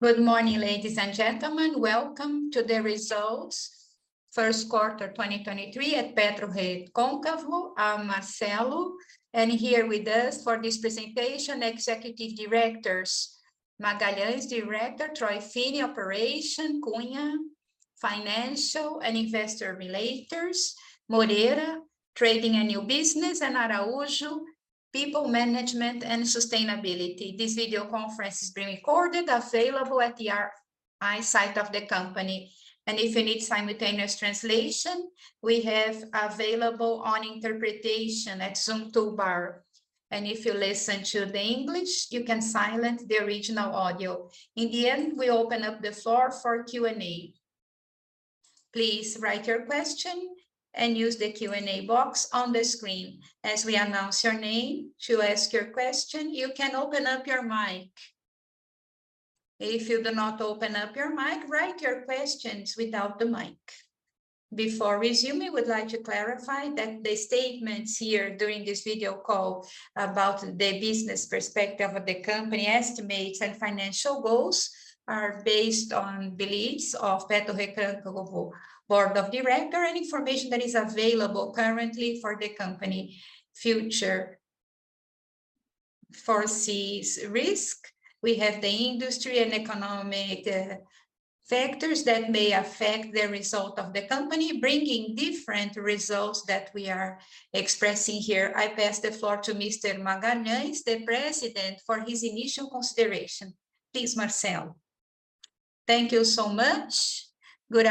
Good morning, ladies and gentlemen. Welcome to the Results First Quarter 2023 at PetroRecôncavo. I'm Marcelo, here with us for this presentation, Executive Directors Magalhães, Director; Troy Finney, Operation; Cunha, Financial and Investor Relations; Moreira, Trading and New Business; and Araujo, People Management and Sustainability. This video conference is being recorded, available at the IR site of the company. If you need simultaneous translation, we have available on interpretation at Zoom toolbar. If you listen to the English, you can silent the original audio. In the end, we open up the floor for Q&A. Please write your question and use the Q&A box on the screen. As we announce your name to ask your question, you can open up your mic. If you do not open up your mic, write your questions without the mic. Before resuming, we would like to clarify that the statements here during this video call about the business perspective of the company estimates and financial goals are based on beliefs of PetroRecôncavo Board of Directors and information that is available currently for the company. Future foresees risk. We have the industry and economic factors that may affect the result of the company, bringing different results that we are expressing here. I pass the floor to Mr. Magalhães, the President, for his initial consideration. Please, Marcelo. Thank you so much. Good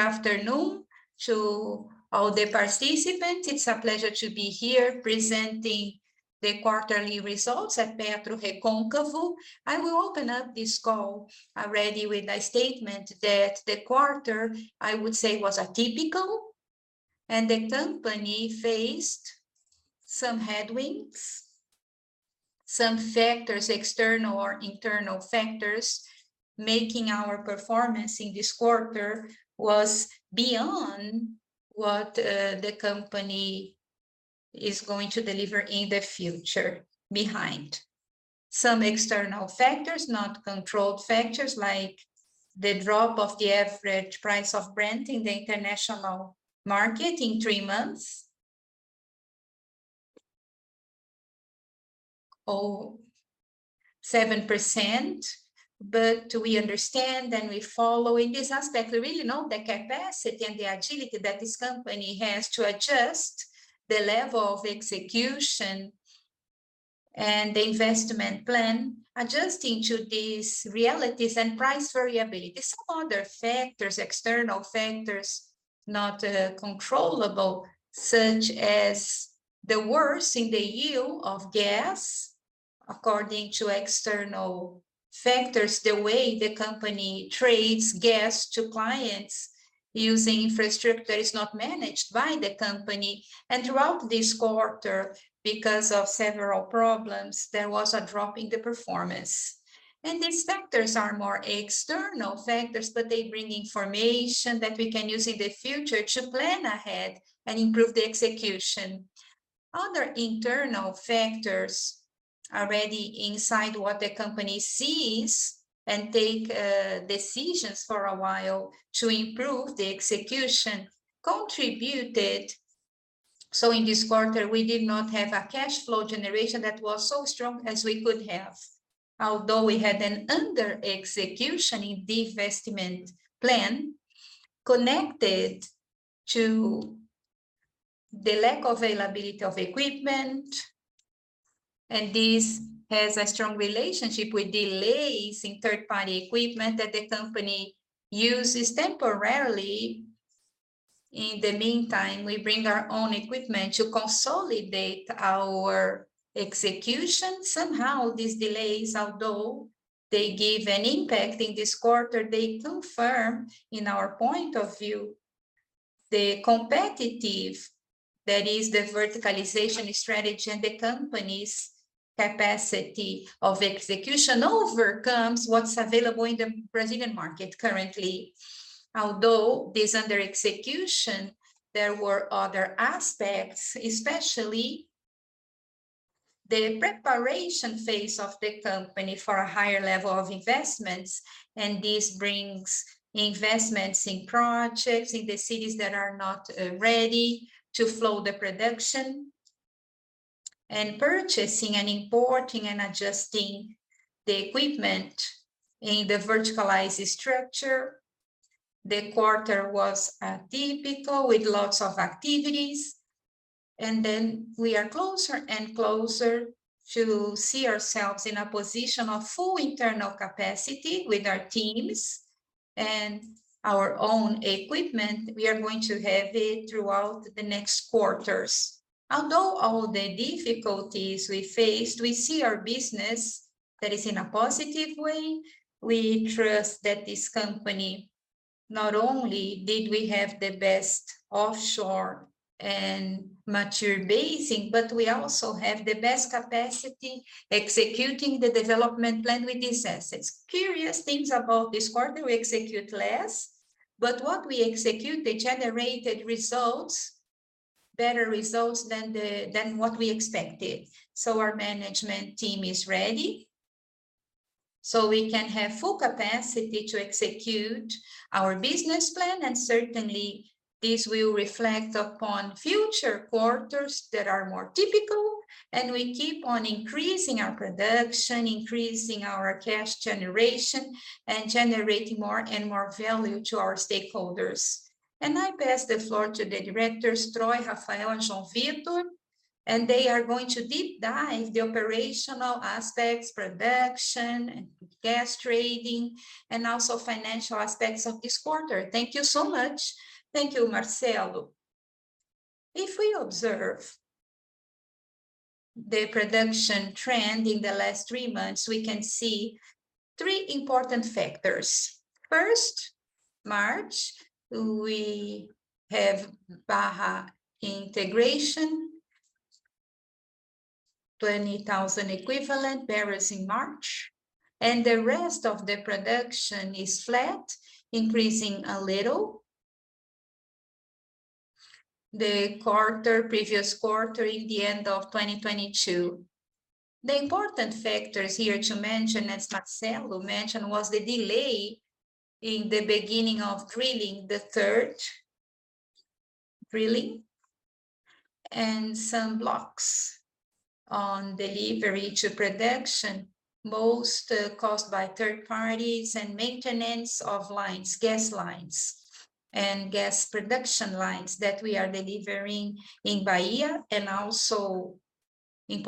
afternoon to all the participants. It's a pleasure to be here presenting the quarterly results at PetroRecôncavo. I will open up this call already with a statement that the quarter, I would say, was atypical, and the company faced some headwinds, some factors, external or internal factors, making our performance in this quarter was beyond what the company is going to deliver in the future, behind some external factors, not controlled factors, like the drop of the average price of Brent in the international market in three months, 7%. We understand and we follow in this aspect, we really know the capacity and the agility that this company has to adjust the level of execution and the investment plan, adjusting to these realities and price variability. Some other factors, external factors, not controllable, such as the worse in the yield of gas according to external factors, the way the company trades gas to clients using infrastructure is not managed by the company. Throughout this quarter, because of several problems, there was a drop in the performance. These factors are more external factors, but they bring information that we can use in the future to plan ahead and improve the execution. Other internal factors already inside what the company sees and take decisions for a while to improve the execution contributed. In this quarter, we did not have a cash flow generation that was so strong as we could have. Although we had an under-execution in the investment plan connected to the lack of availability of equipment, and this has a strong relationship with delays in third-party equipment that the company uses temporarily. In the meantime, we bring our own equipment to consolidate our execution. Somehow, these delays, although they gave an impact in this quarter, they confirm, in our point of view, the competitive, that is, the verticalization strategy and the company's capacity of execution overcomes what's available in the Brazilian market currently. Although this under-execution, there were other aspects, especially the preparation phase of the company for a higher level of investments, and this brings investments in projects in the cities that are not ready to flow the production. Purchasing and importing and adjusting the equipment in the verticalized structure. The quarter was atypical with lots of activities. We are closer and closer to see ourselves in a position of full internal capacity with our teams and our own equipment. We are going to have it throughout the next quarters. Although all the difficulties we faced, we see our business that is in a positive way. We trust that this company, not only did we have the best offshore and mature basin, but we also have the best capacity executing the development plan with these assets. Curious things about this quarter, we execute less, but what we execute, they generated results. Better results than what we expected. Our management team is ready, so we can have full capacity to execute our business plan. Certainly, this will reflect upon future quarters that are more typical, and we keep on increasing our production, increasing our cash generation, and generating more and more value to our stakeholders. I pass the floor to the directors, Troy, Rafael, and João Vitor, and they are going to deep dive the operational aspects, production, and gas trading, and also financial aspects of this quarter. Thank you so much. Thank you, Marcelo. If we observe the production trend in the last three months, we can see three important factors. First, March, we have Maha integration, 20,000 equivalent barrels in March. The rest of the production is flat, increasing a little. The quarter, previous quarter in the end of 2022. The important factors here to mention, as Marcelo mentioned, was the delay in the beginning of drilling, the third drilling, and some blocks on delivery to production, most are caused by third parties and maintenance of lines, gas lines, and gas production lines that we are delivering in Bahia and also in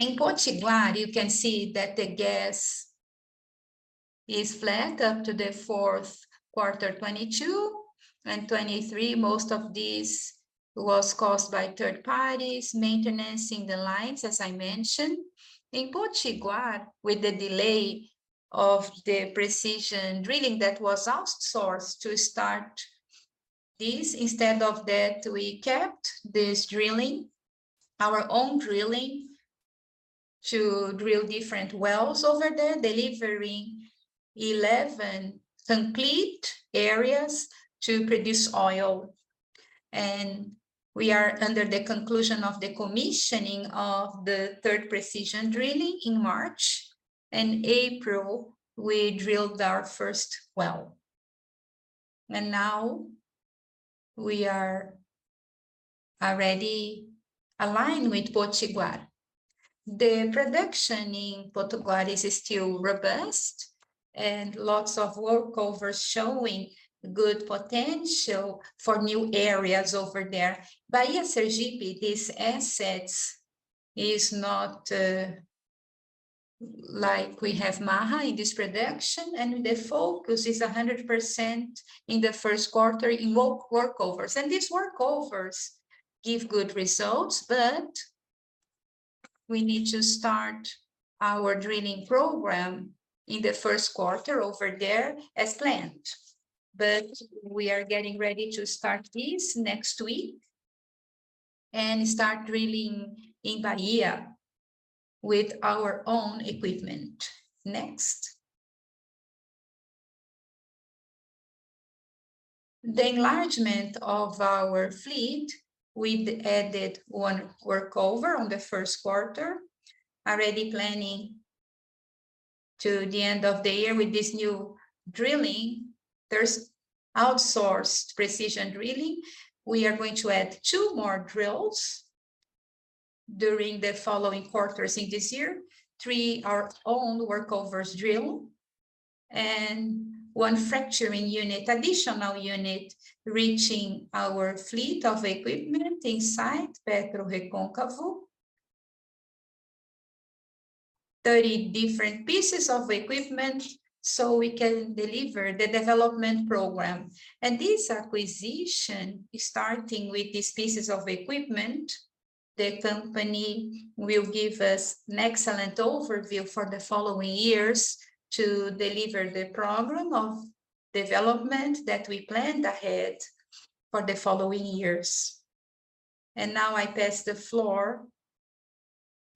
Potiguar. Next. In Potiguar, you can see that the gas is flat up to the fourth quarter 2022. In 2023, most of this was caused by third parties, maintenance in the lines, as I mentioned. In Potiguar, with the delay of the precision drilling that was outsourced to start this, instead of that, we kept this drilling, our own drilling, to drill different wells over there, delivering 11 complete areas to produce oil. We are under the conclusion of the commissioning of the third precision drilling in March. In April, we drilled our first well. Now, we are already aligned with Potiguar. The production in Potiguar is still robust and lots of workovers showing good potential for new areas over there. Bahia and Sergipe, these assets is not like we have Baja in this production, and the focus is 100% in the first quarter in workovers. These workovers give good results, but we need to start our drilling program in the first quarter over there as planned. We are getting ready to start this next week and start drilling in Bahia with our own equipment. Next. The enlargement of our fleet, we've added one workover on the first quarter. Already planning to the end of the year with this new drilling. There's outsourced precision drilling. We are going to add two more drills during the following quarters in this year. Three are own workovers drill, and one fracturing unit, additional unit, reaching our fleet of equipment inside PetroRecôncavo. 30 different pieces of equipment, so we can deliver the development program. This acquisition, starting with these pieces of equipment, the company will give us an excellent overview for the following years to deliver the program of development that we planned ahead for the following years. Now I pass the floor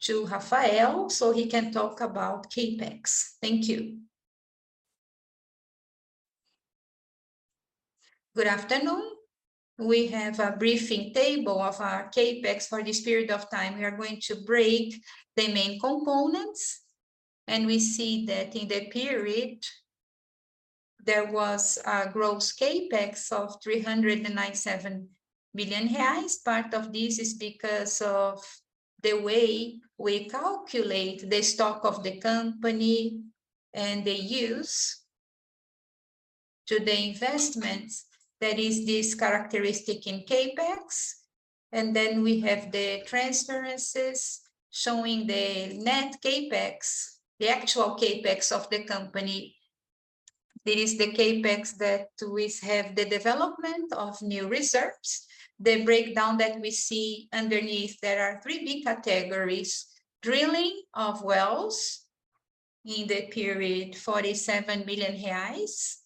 to Rafael so he can talk about CapEx. Thank you. Good afternoon. We have a briefing table of our CapEx for this period of time. We are going to break the main components. We see that in the period, there was a gross CapEx of 397 million reais. Part of this is because of the way we calculate the stock of the company and the use to the investments that is this characteristic in CapEx. We have the transferences showing the net CapEx, the actual CapEx of the company. This is the CapEx that we have the development of new reserves. The breakdown that we see underneath, there are three big categories: drilling of wells in the period, 47 million reais.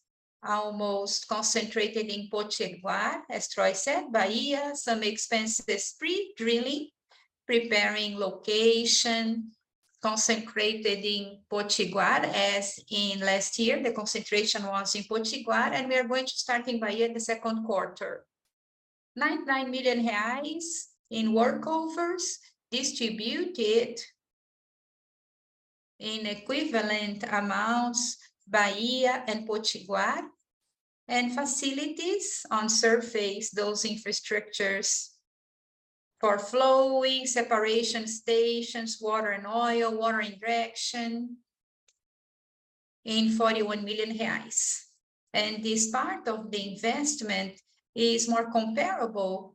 Almost concentrated in Potiguar, as Troy said. Bahia, some expensive sprit drilling, preparing location, concentrated in Potiguar as in last year, the concentration was in Potiguar. We are going to start in Bahia the second quarter. 99 million reais in workovers distributed in equivalent amounts Bahia and Potiguar. Facilities on surface, those infrastructures for flowing, separation stations, water and oil, water injection in 41 million reais. This part of the investment is more comparable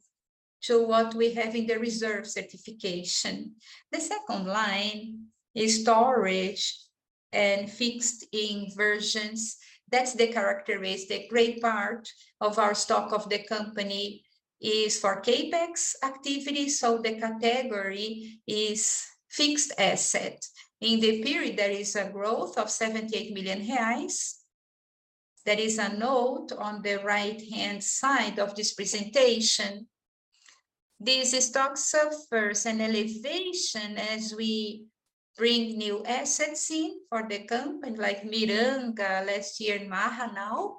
to what we have in the reserve certification. The second line is storage and fixed inversions. That's the characteristic. Great part of our stock of the company is for CapEx activities, so the category is fixed asset. In the period, there is a growth of 78 million reais. There is a note on the right-hand side of this presentation. This stock suffers an elevation as we bring new assets in for the company, like Miranga last year, and Maha now.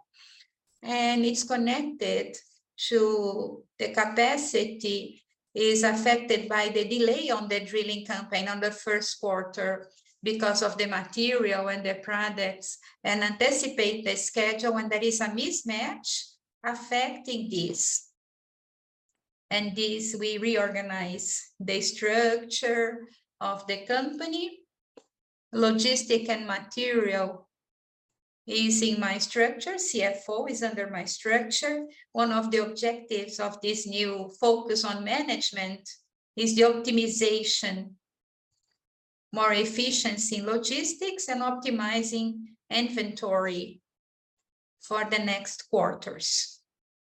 It's connected to the capacity, is affected by the delay on the drilling campaign on the first quarter because of the material and the products, and anticipate the schedule when there is a mismatch affecting this. This, we reorganize the structure of the company. Logistic and material is in my structure. CFO is under my structure. One of the objectives of this new focus on management is the optimization, more efficiency in logistics and optimizing inventory for the next quarters.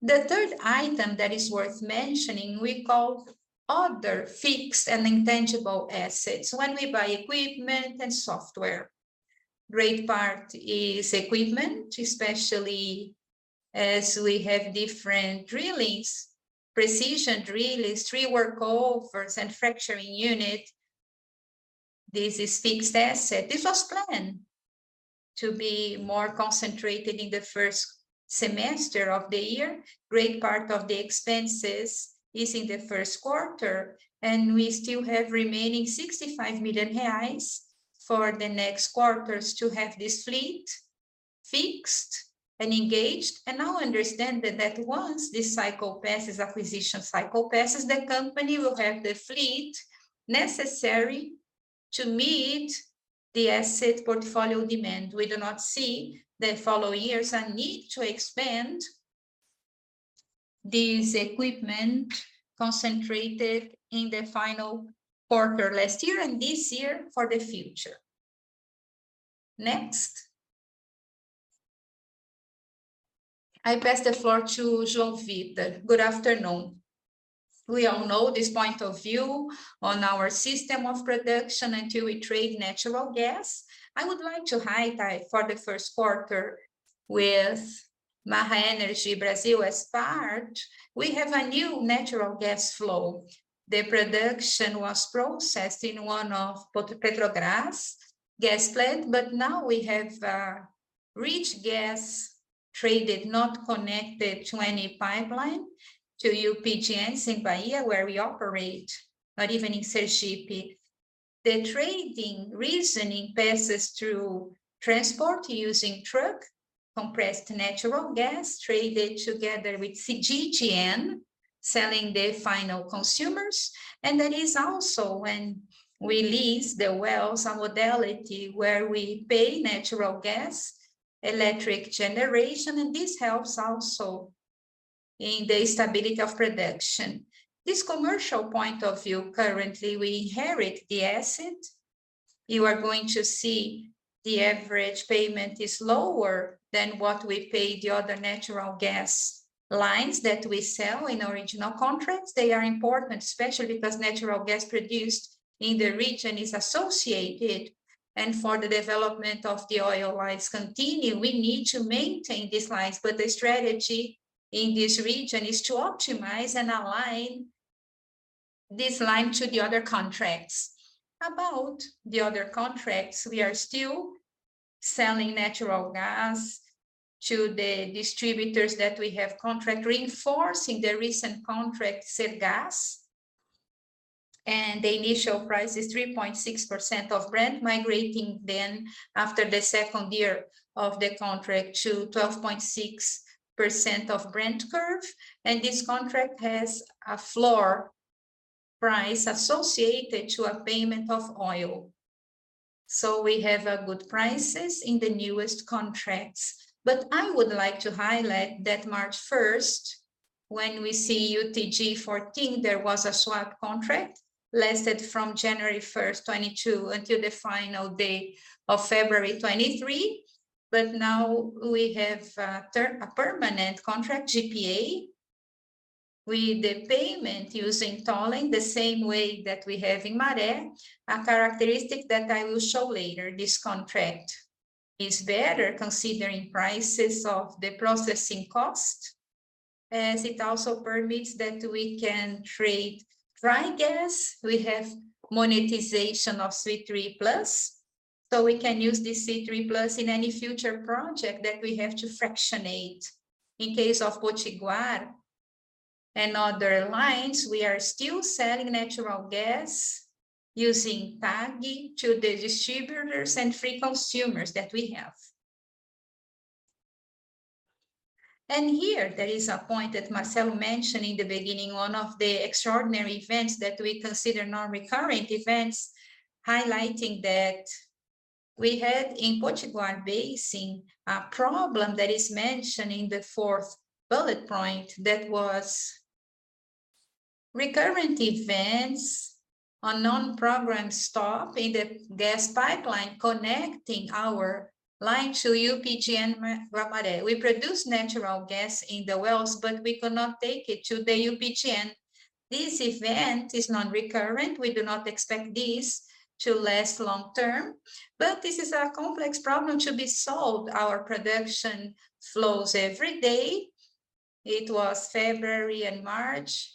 The third item that is worth mentioning, we call other fixed and intangible assets. When we buy equipment and software, great part is equipment, especially as we have different drillings, precision drillings, three workovers and fracturing unit. This is fixed asset. This was planned to be more concentrated in the first semester of the year. Great part of the expenses is in the first quarter, and we still have remaining 65 million reais for the next quarters to have this fleet fixed and engaged. Now understand that once this cycle passes, acquisition cycle passes, the company will have the fleet necessary to meet the asset portfolio demand. We do not see the following years a need to expand this equipment concentrated in the final quarter last year and this year for the future. Next. I pass the floor to João Vitor. Good afternoon. We all know this point of view on our system of production until we trade natural gas. I would like to highlight for the first quarter with Maha Energy Brasil as part, we have a new natural gas flow. The production was processed in one of Petrobras gas plant, but now we have rich gas traded, not connected to any pipeline to UPGN in Bahia, where we operate, but even in Sergipe. The trading reasoning passes through transport using truck, compressed natural gas traded together with CDGN, selling the final consumers. There is also when we lease the wells, a modality where we pay natural gas, electric generation, and this helps also in the stability of production. This commercial point of view, currently, we inherit the asset. You are going to see the average payment is lower than what we paid the other natural gas lines that we sell in original contracts. They are important, especially because natural gas produced in the region is associated. For the development of the oil lines continue, we need to maintain these lines, but the strategy in this region is to optimize and align this line to the other contracts. About the other contracts, we are still selling natural gas to the distributors that we have contract, reinforcing the recent contract. Cegás, the initial price is 3.6% of Brent migrating then after the second year of the contract to 12.6% of Brent curve. This contract has a floor price associated to a payment of oil. We have good prices in the newest contracts. I would like to highlight that March 1st, whenPetroRecôncavo we see UTG-14, there was a swap contract, lasted from January 1st, 2022 until the final day of February 2023. Now we have a permanent contract, GPA with the payment using tolling, the same way that we have in Maré, a characteristic that I will show later, this contract is better considering prices of the processing cost, as it also permits that we can trade dry gas. We have monetization of C3+, we can use this C3+ in any future project that we have to fractionate. In case of Potiguar and other lines, we are still selling natural gas using TAG to the distributors and free consumers that we have. Here there is a point that Marcelo mentioned in the beginning, one of the extraordinary events that we consider non-recurring events, highlighting that we had in Potiguar Basin a problem that is mentioned in the fourth bullet point that was recurrent events, a non-programmed stop in the gas pipeline connecting our line to UPGN Guamaré. We produce natural gas in the wells, but we could not take it to the UPGN. This event is non-recurrent. We do not expect this to last long term, but this is a complex problem to be solved. Our production flows every day. It was February and March.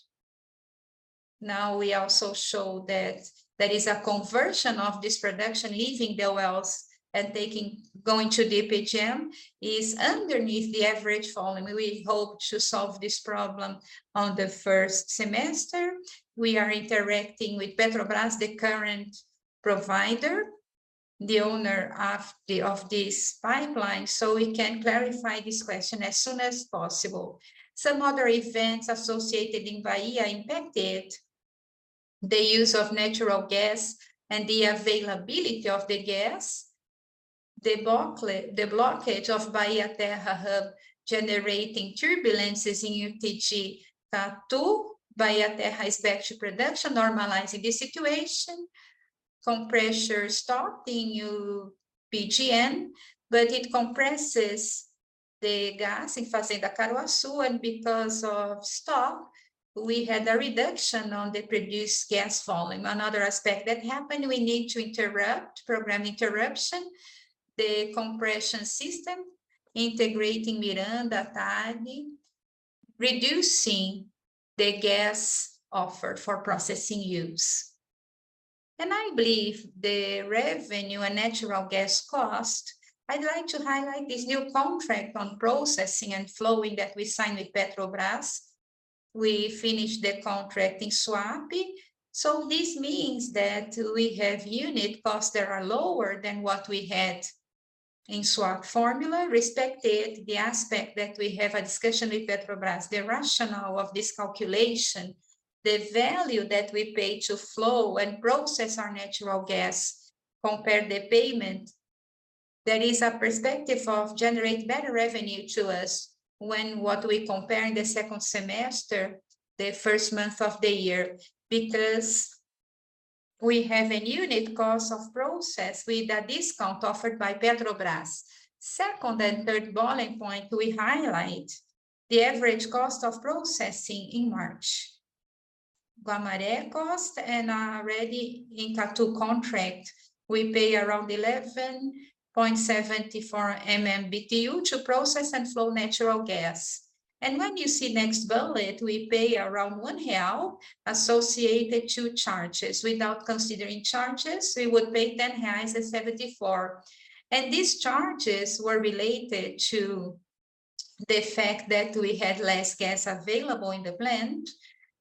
Now we also show that there is a conversion of this production, leaving the wells and taking, going to the UPGN, is underneath the average volume. We hope to solve this problem on the first semester. We are interacting with Petrobras, the current provider, the owner of this pipeline, so we can clarify this question as soon as possible. Some other events associated in Bahia impacted the use of natural gas and the availability of the gas. The blockage of Bahia Terra hub, generating turbulences in UTG Catu. Bahia Terra is back to production, normalizing the situation. Compressor stop in UPGN. It compresses the gas in Fazenda Caruaçu. Because of stop, we had a reduction on the produced gas volume. Another aspect that happened, we need to interrupt, program interruption, the compression system integrating Miranga Tadi, reducing the gas offered for processing use. I believe the revenue and natural gas cost, I'd like to highlight this new contract on processing and flowing that we signed with Petrobras. We finished the contract in swap. This means that we have unit costs that are lower than what we had in swap formula, respected the aspect that we have a discussion with Petrobras, the rationale of this calculation, the value that we pay to flow and process our natural gas, compare the payment, there is a perspective of generate better revenue to us when what we compare in the second semester, the first month of the year, because we have a unit cost of process with a discount offered by Petrobras. Second and third bullet point, we highlight the average cost of processing in March. Guamaré cost and already in Catu contract, we pay around 11.74 MMBtu to process and flow natural gas. When you see next bullet, we pay around 1 real associated to charges. Without considering charges, we would make 10.74. These charges were related to the fact that we had less gas available in the plant.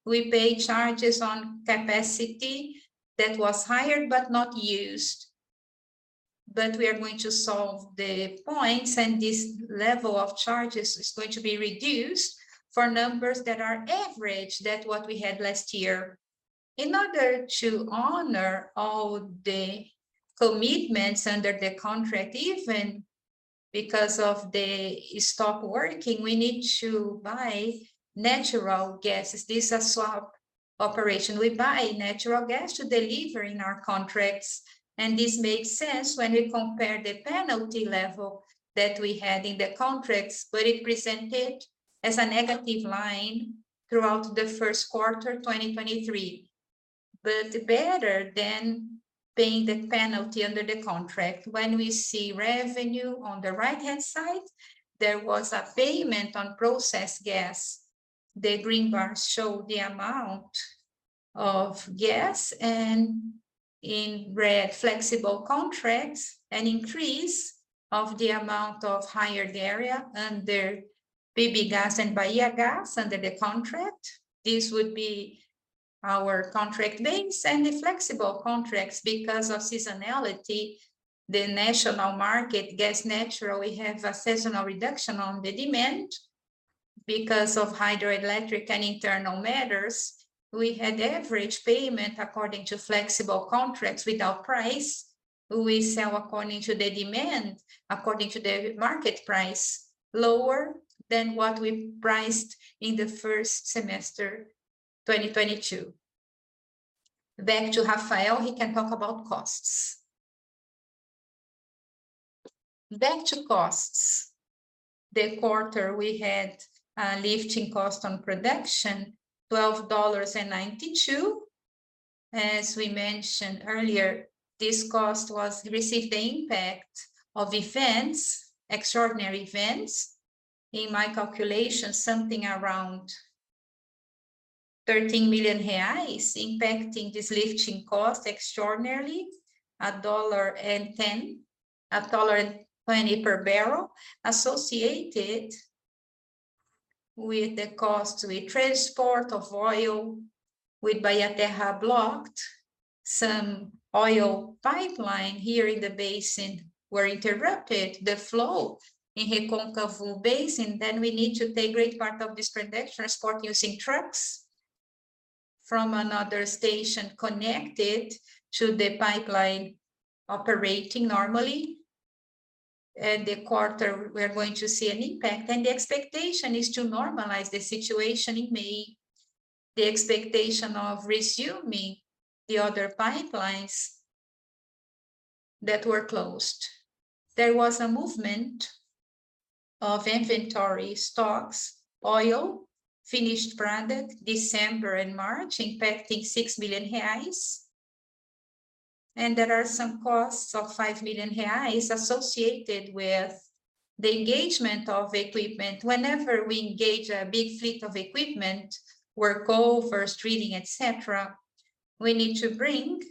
We paid charges on capacity that was hired but not used. We are going to solve the points, and this level of charges is going to be reduced for numbers that are average that what we had last year. In order to honor all the commitments under the contract, even because of the stop working, we need to buy natural gas. This a swap operation. We buy natural gas to deliver in our contracts, and this makes sense when we compare the penalty level that we had in the contracts, but it presented as a negative line throughout the first quarter 2023. Better than paying the penalty under the contract, when we see revenue on the right-hand side, there was a payment on processed gas. The green bars show the amount of gas, and in red, flexible contracts, an increase of the amount of hired area under PBGÁS and Bahiagás under the contract. This would be our contract base and the flexible contracts because of seasonality. The national market gas naturally have a seasonal reduction on the demand because of hydroelectric and internal matters. We had average payment according to flexible contracts without price. We sell according to the demand, according to the market price, lower than what we priced in the first semester 2022. Back to Rafael, he can talk about costs. Back to costs. The quarter we had lifting cost on production $12.92. As we mentioned earlier, this cost was received the impact of events, extraordinary events. In my calculation, something around 13 million reais impacting this lifting cost extraordinarily, $1.10-$1.20 per barrel associated with the cost to the transport of oil with Bahia Terra blocked. Some oil pipeline here in the basin were interrupted, the flow in Recôncavo Basin. We need to take great part of this production transport using trucks from another station connected to the pipeline operating normally. In the quarter, we are going to see an impact. The expectation is to normalize the situation in May. The expectation of resuming the other pipelines that were closed. There was a movement of inventory stocks, oil finished branded December and March, impacting 6 million reais. There are some costs of 5 million reais associated with the engagement of equipment. Whenever we engage a big fleet of equipment, workover, streaming, et cetera, we need to bring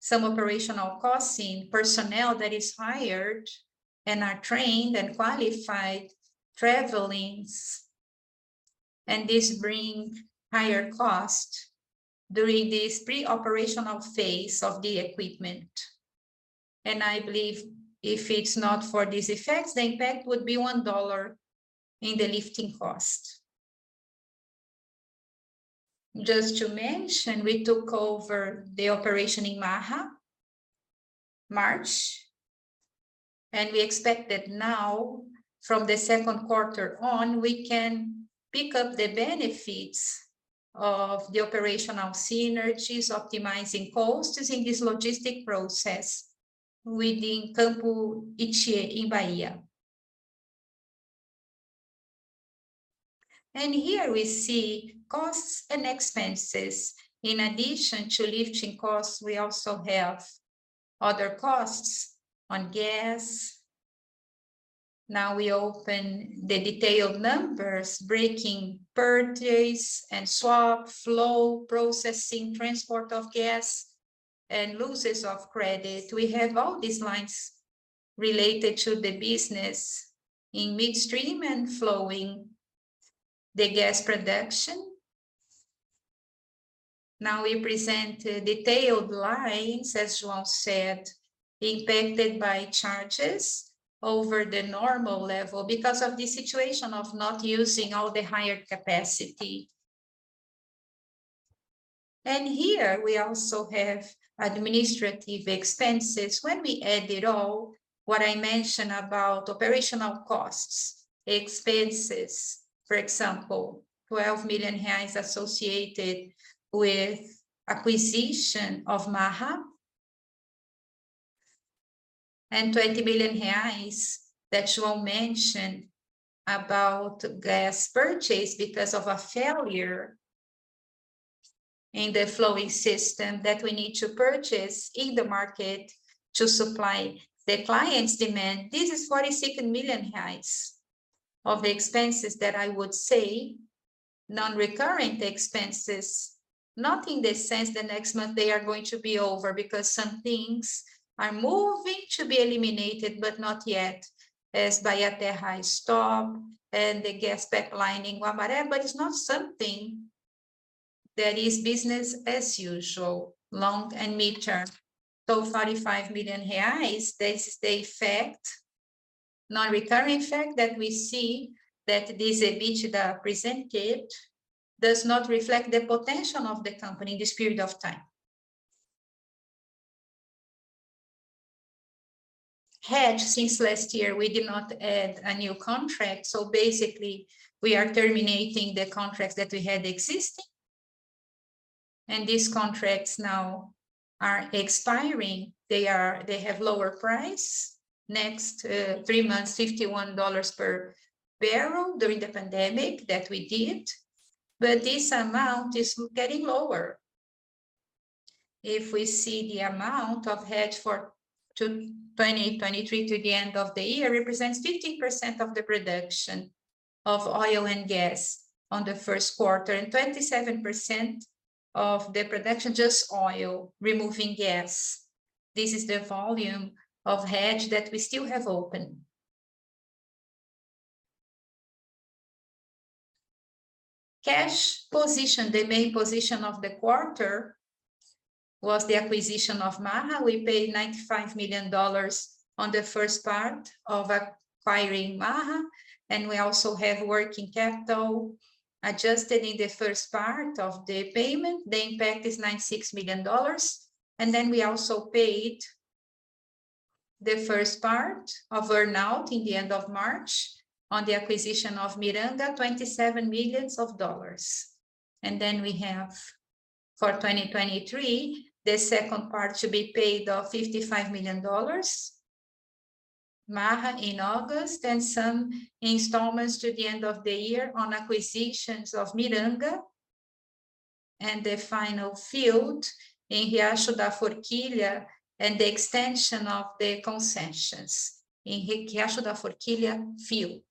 some operational costs in, personnel that is hired and are trained and qualified, travelings, and this bring higher cost during this pre-operational phase of the equipment. I believe if it's not for these effects, the impact would be $1 in the lifting cost. Just to mention, we took over the operation in Maha March, and we expect that now from the second quarter on, we can pick up the benefits of the operational synergies, optimizing costs using this logistic process within Campo de Ichu in Bahia. Here we see costs and expenses. In addition to lifting costs, we also have other costs on gas. Now we open the detailed numbers, breaking purchase and swap, flow, processing, transport of gas and losses of credit. We have all these lines related to the business in midstream and flowing the gas production. Now we present detailed lines, as João said, impacted by charges over the normal level because of the situation of not using all the higher capacity. Here we also have administrative expenses. When we add it all, what I mentioned about operational costs, expenses, for example, 12 million reais associated with acquisition of Maha. BRL 20 million that João mentioned about gas purchase because of a failure in the flowing system that we need to purchase in the market to supply the client's demand. This is 42 million of the expenses that I would say non-recurring expenses. Not in the sense the next month they are going to be over because some things are moving to be eliminated, but not yet, as Bahia Terra is stopped and the gas pipelining Guamaré, but it's not something that is business as usual, long and mid-term. 45 million reais, that's the effect, non-recurring effect, that we see that this EBITDA presented does not reflect the potential of the company in this period of time. Hedge since last year, we did not add a new contract, so basically we are terminating the contracts that we had existing, and these contracts now are expiring. They have lower price. Next, three months, $51 per barrel during the pandemic that we did, but this amount is getting lower. If we see the amount of hedge for to 2023 to the end of the year represents 15% of the production of oil and gas on the first quarter, and 27% of the production just oil, removing gas. This is the volume of hedge that we still have open. Cash position, the main position of the quarter was the acquisition of Maha. We paid $95 million on the first part of acquiring Maha, and we also have working capital adjusted in the first part of the payment. The impact is $96 million. We also paid the first part of earn-out in the end of March on the acquisition of Miranga, $27 million. We have for 2023, the second part should be paid of $55 million, Maha in August, and some installments to the end of the year on acquisitions of Miranga. The final field in Riacho da Forquilha, and the extension of the concessions in Riacho da Forquilha field.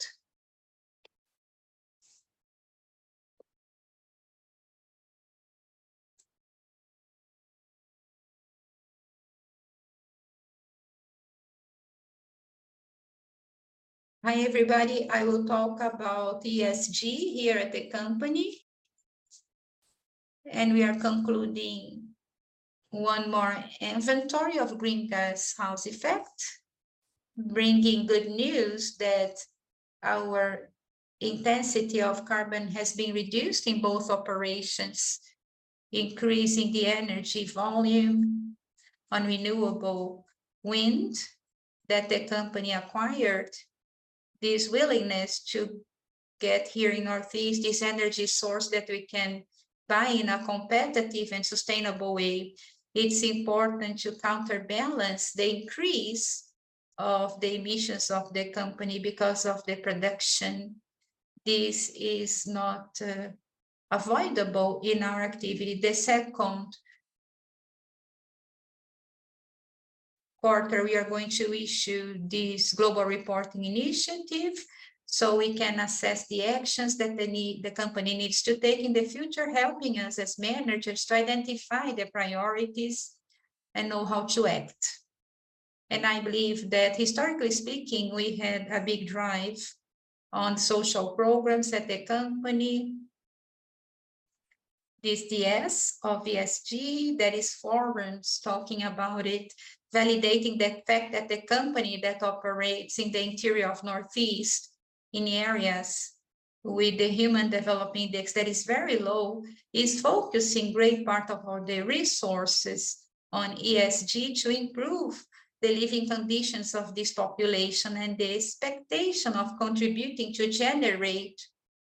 Hi, everybody. I will talk about ESG here at the company. We are concluding one more inventory of greenhouse effect, bringing good news that our intensity of carbon has been reduced in both operations, increasing the energy volume on renewable wind that the company acquired. This willingness to get here in Northeast this energy source that we can buy in a competitive and sustainable way, it's important to counterbalance the increase of the emissions of the company because of the production. This is not avoidable in our activity. The second quarter, we are going to issue this global reporting initiative so we can assess the actions that they need, the company needs to take in the future, helping us as managers to identify the priorities and know how to act. I believe that historically speaking, we had a big drive on social programs at the company. This DS of ESG, there is forums talking about it, validating the fact that the company that operates in the interior of Northeast, in areas with the human development index that is very low, is focusing great part of all the resources on ESG to improve the living conditions of this population and the expectation of contributing to generate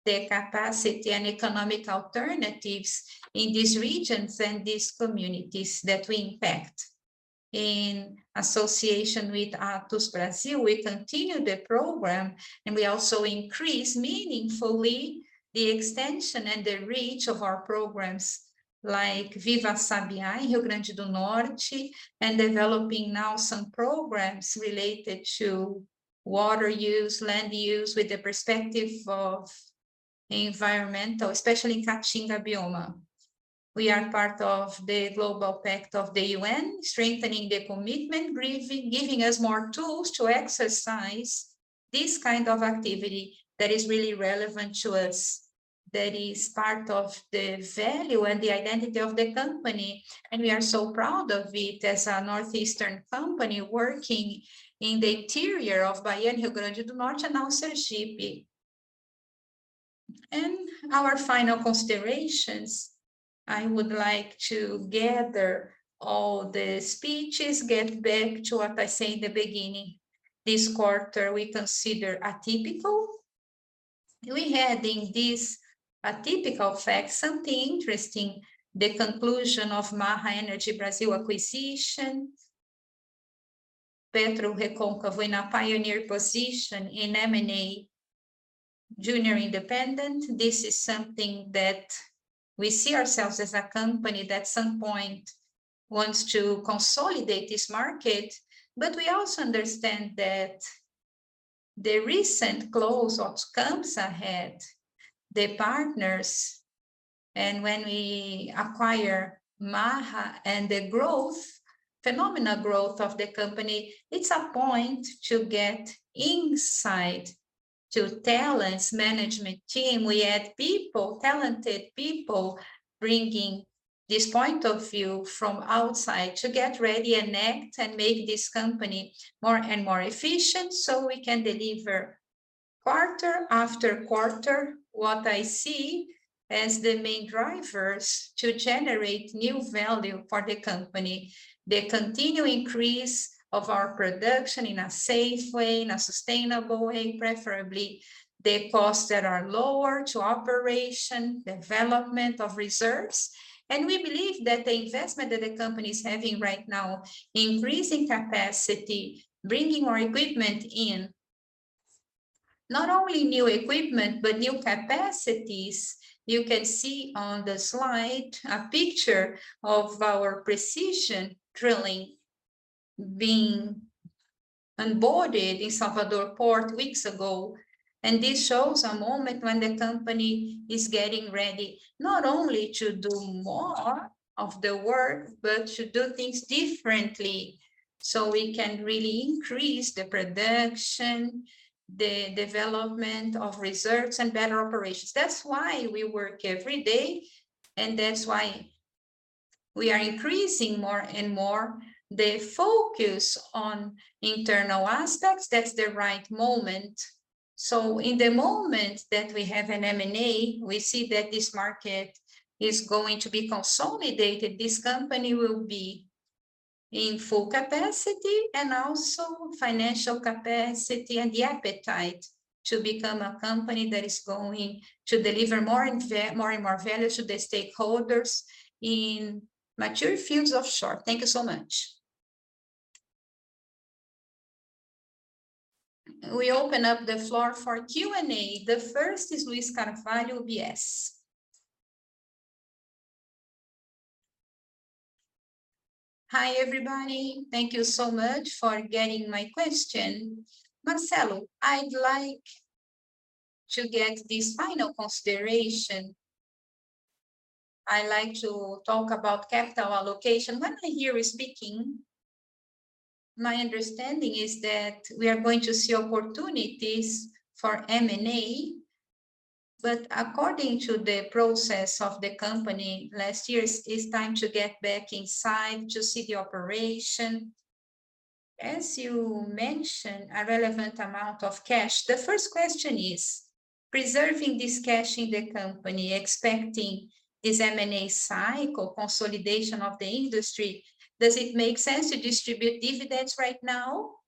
the capacity and economic alternatives in these regions and these communities that we impact. In association with Artus Brasil, we continue the program, and we also increase meaningfully the extension and the reach of our programs like Viva Sabiá in Rio Grande do Norte, and developing now some programs related to water use, land use, with the perspective of environmental, especially in Caatinga biome. We are part of the Global Pact of the U.N., strengthening the commitment, giving us more tools to exercise this kind of activity that is really relevant to us, that is part of the value and the identity of the company, and we are so proud of it as a Northeastern company working in the interior of Bahia, Rio Grande do Norte and now Sergipe. In our final considerations, I would like to gather all the speeches, get back to what I said in the beginning. This quarter, we consider atypical. We had in this atypical fact something interesting, the conclusion of Maha Energy Brasil acquisition. PetroRecôncavo in a pioneer position in M&A junior Independent. We see ourselves as a company that at some point wants to consolidate this market, but we also understand that the recent close of camps ahead, the partners, and when we acquire Maha and the growth, phenomenal growth of the company, it's a point to get insight to talents, management team. We add people, talented people, bringing this point of view from outside to get ready and act and make this company more and more efficient so we can deliver quarter after quarter what I see as the main drivers to generate new value for the company. Continued increase of our production in a safe way, in a sustainable way, preferably the costs that are lower to operation, development of reserves. We believe that the investment that the company is having right now, increasing capacity, bringing more equipment in not only new equipment, but new capacities. You can see on the slide a picture of our precision drilling being onboarded in Salvador Port weeks ago. This shows a moment when the company is getting ready not only to do more of the work, but to do things differently so we can really increase the production, the development of reserves and better operations. That's why we work every day, and that's why we are increasing more and more the focus on internal aspects. That's the right moment. In the moment that we have an M&A, we see that this market is going to be consolidated. This company will be in full capacity and also financial capacity and the appetite to become a company that is going to deliver more and more value to the stakeholders in mature fields offshore. Thank you so much. We open up the floor for Q&A. The first is Luiz Carvalho, UBS. Hi, everybody. Thank you so much for getting my question. Marcelo, I'd like to get this final consideration. I like to talk about capital allocation. When I hear you speaking, my understanding is that we are going to see opportunities for M&A, but according to the process of the company last year, it's time to get back inside to see the operation. As you mentioned, a relevant amount of cash. The first question is, preserving this cash in the company, expecting this M&A cycle consolidation of the industry, does it make sense to distribute dividends right now?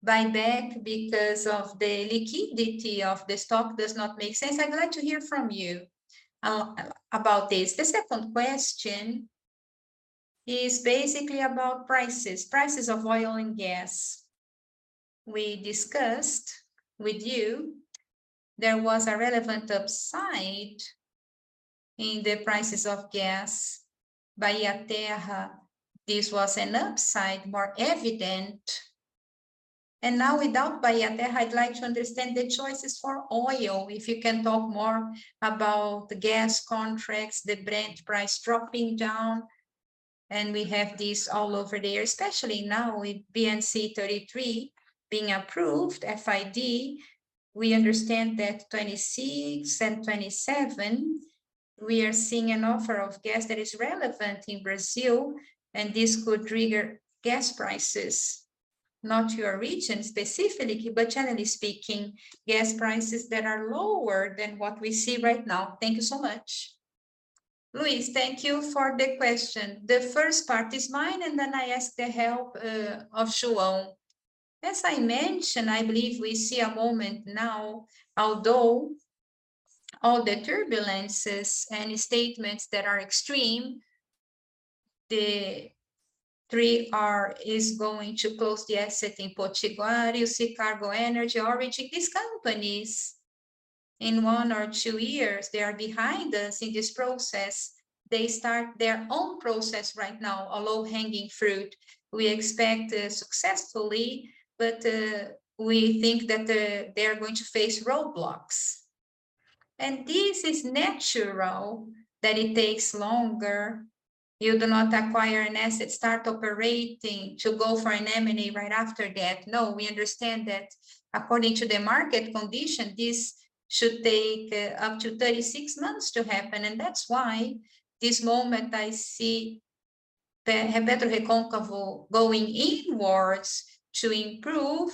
Buyback because of the liquidity of the stock does not make sense. I'd like to hear from you about this. The second question is basically about prices of oil and gas. We discussed with you there was a relevant upside in the prices of gas. Bahia Terra, this was an upside more evident, and now without Bahia Terra, I'd like to understand the choices for oil, if you can talk more about the gas contracts, the Brent price dropping down, and we have this all over there, especially now with BM-C-33 being approved, FID? We understand that 2026 and 2027, we are seeing an offer of gas that is relevant in Brazil. This could trigger gas prices, not your region specifically, but generally speaking, gas prices that are lower than what we see right now. Thank you so much. Luis, thank you for the question. The first part is mine. Then I ask the help of João. As I mentioned, I believe we see a moment now, although all the turbulences and statements that are extreme, the 3R is going to close the asset in Potiguar. You see Karoon Energy, Origem, these companies in one or two years, they are behind us in this process. They start their own process right now, a low-hanging fruit. We expect it successfully, but we think that they are going to face roadblocks. This is natural that it takes longer. You do not acquire an asset, start operating to go for an M&A right after that. No, we understand that according to the market condition, this should take up to 36 months to happen, and that's why this moment I see the PetroRecôncavo going inwards to improve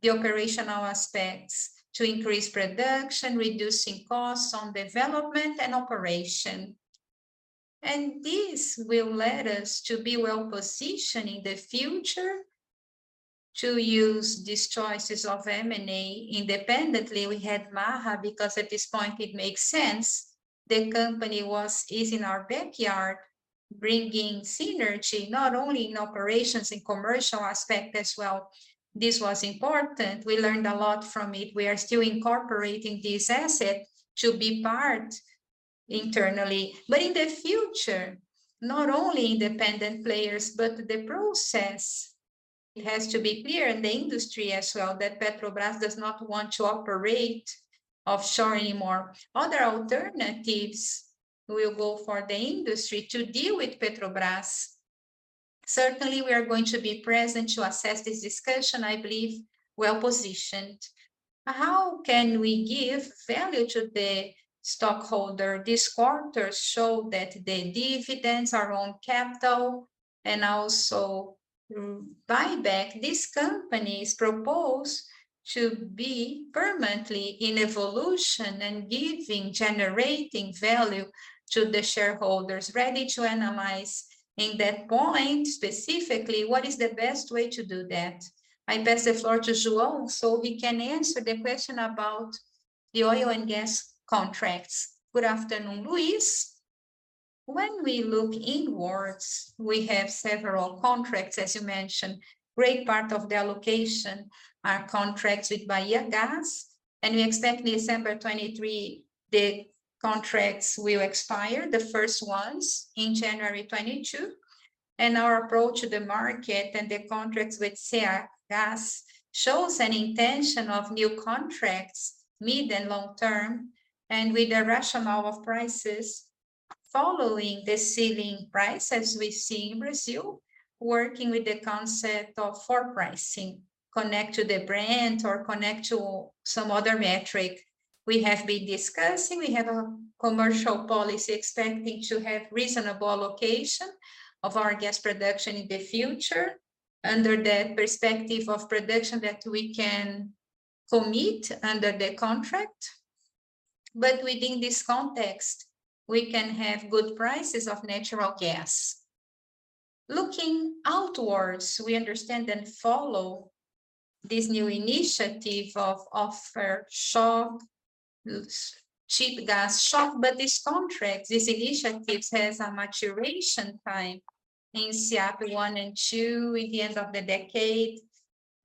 the operational aspects, to increase production, reducing costs on development and operation. This will let us to be well-positioned in the future to use these choices of M&A independently. We had Maha, because at this point it makes sense. The company is in our backyard bringing synergy, not only in operations, in commercial aspect as well. This was important. We learned a lot from it. We are still incorporating this asset to be part internally. In the future, not only independent players, but the process, it has to be clear in the industry as well that Petrobras does not want to operate offshore anymore. Other alternatives will go for the industry to deal with Petrobras. We are going to be present to assess this discussion, I believe well-positioned. How can we give value to the stockholder? This quarter show that the dividends are on capital, and also buyback. This company's proposed to be permanently in evolution and giving, generating value to the shareholders ready to analyze. In that point, specifically, what is the best way to do that? I pass the floor to João so he can answer the question about the oil and gas contracts. Good afternoon, Luis. We look inwards, we have several contracts, as you mentioned. Great part of the allocation are contracts with Bahiagás. We expect December 2023, the contracts will expire, the first ones in January 2022. Our approach to the market and the contracts with Cegás shows an intention of new contracts mid and long-term, with a rationale of prices following the ceiling price as we see in Brazil, working with the concept of floor pricing, connect to the Brent or connect to some other metric we have been discussing. We have a commercial policy expecting to have reasonable allocation of our gas production in the future under the perspective of production that we can commit under the contract, but within this context, we can have good prices of natural gas. Looking outwards, we understand and follow this new initiative of offshore, cheap gas onshore, but this contract, this initiative has a maturation time in SEAP I and II in the end of the decade.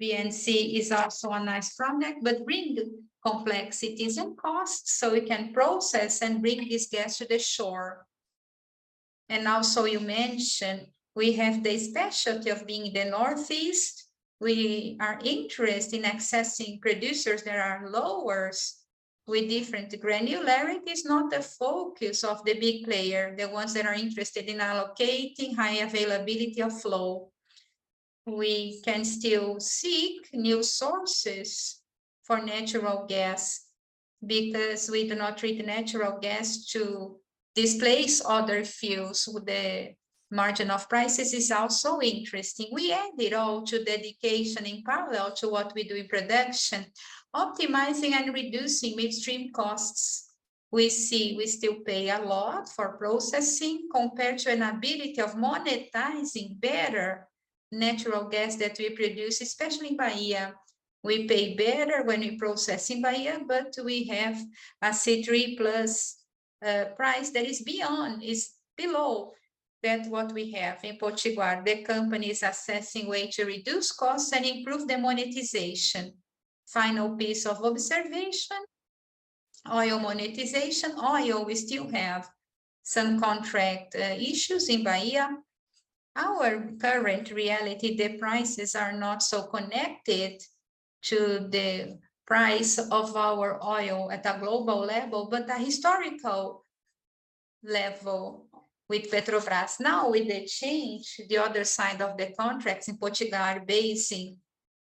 BM-C-33 is also a nice project, but bring the complexities and costs, so we can process and bring this gas to the shore. Also you mentioned, we have the specialty of being the Northeast. We are interested in accessing producers that are lowers with different granularities, not the focus of the big player, the ones that are interested in allocating high availability of flow. We can still seek new sources for natural gas because we do not treat natural gas to displace other fuels with the margin of prices is also interesting. We add it all to dedication in parallel to what we do in production, optimizing and reducing midstream costs. We see we still pay a lot for processing compared to an ability of monetizing better natural gas that we produce, especially in Bahia. We pay better when we process in Bahia, we have a C3+ price that is beyond, is below than what we have in Potiguar. The company is assessing way to reduce costs and improve the monetization. Final piece of observation, oil monetization. Oil, we still have some contract issues in Bahia. Our current reality, the prices are not so connected to the price of our oil at a global level. The historical level with Petrobras, now with the change, the other side of the contracts in Potiguar Basin,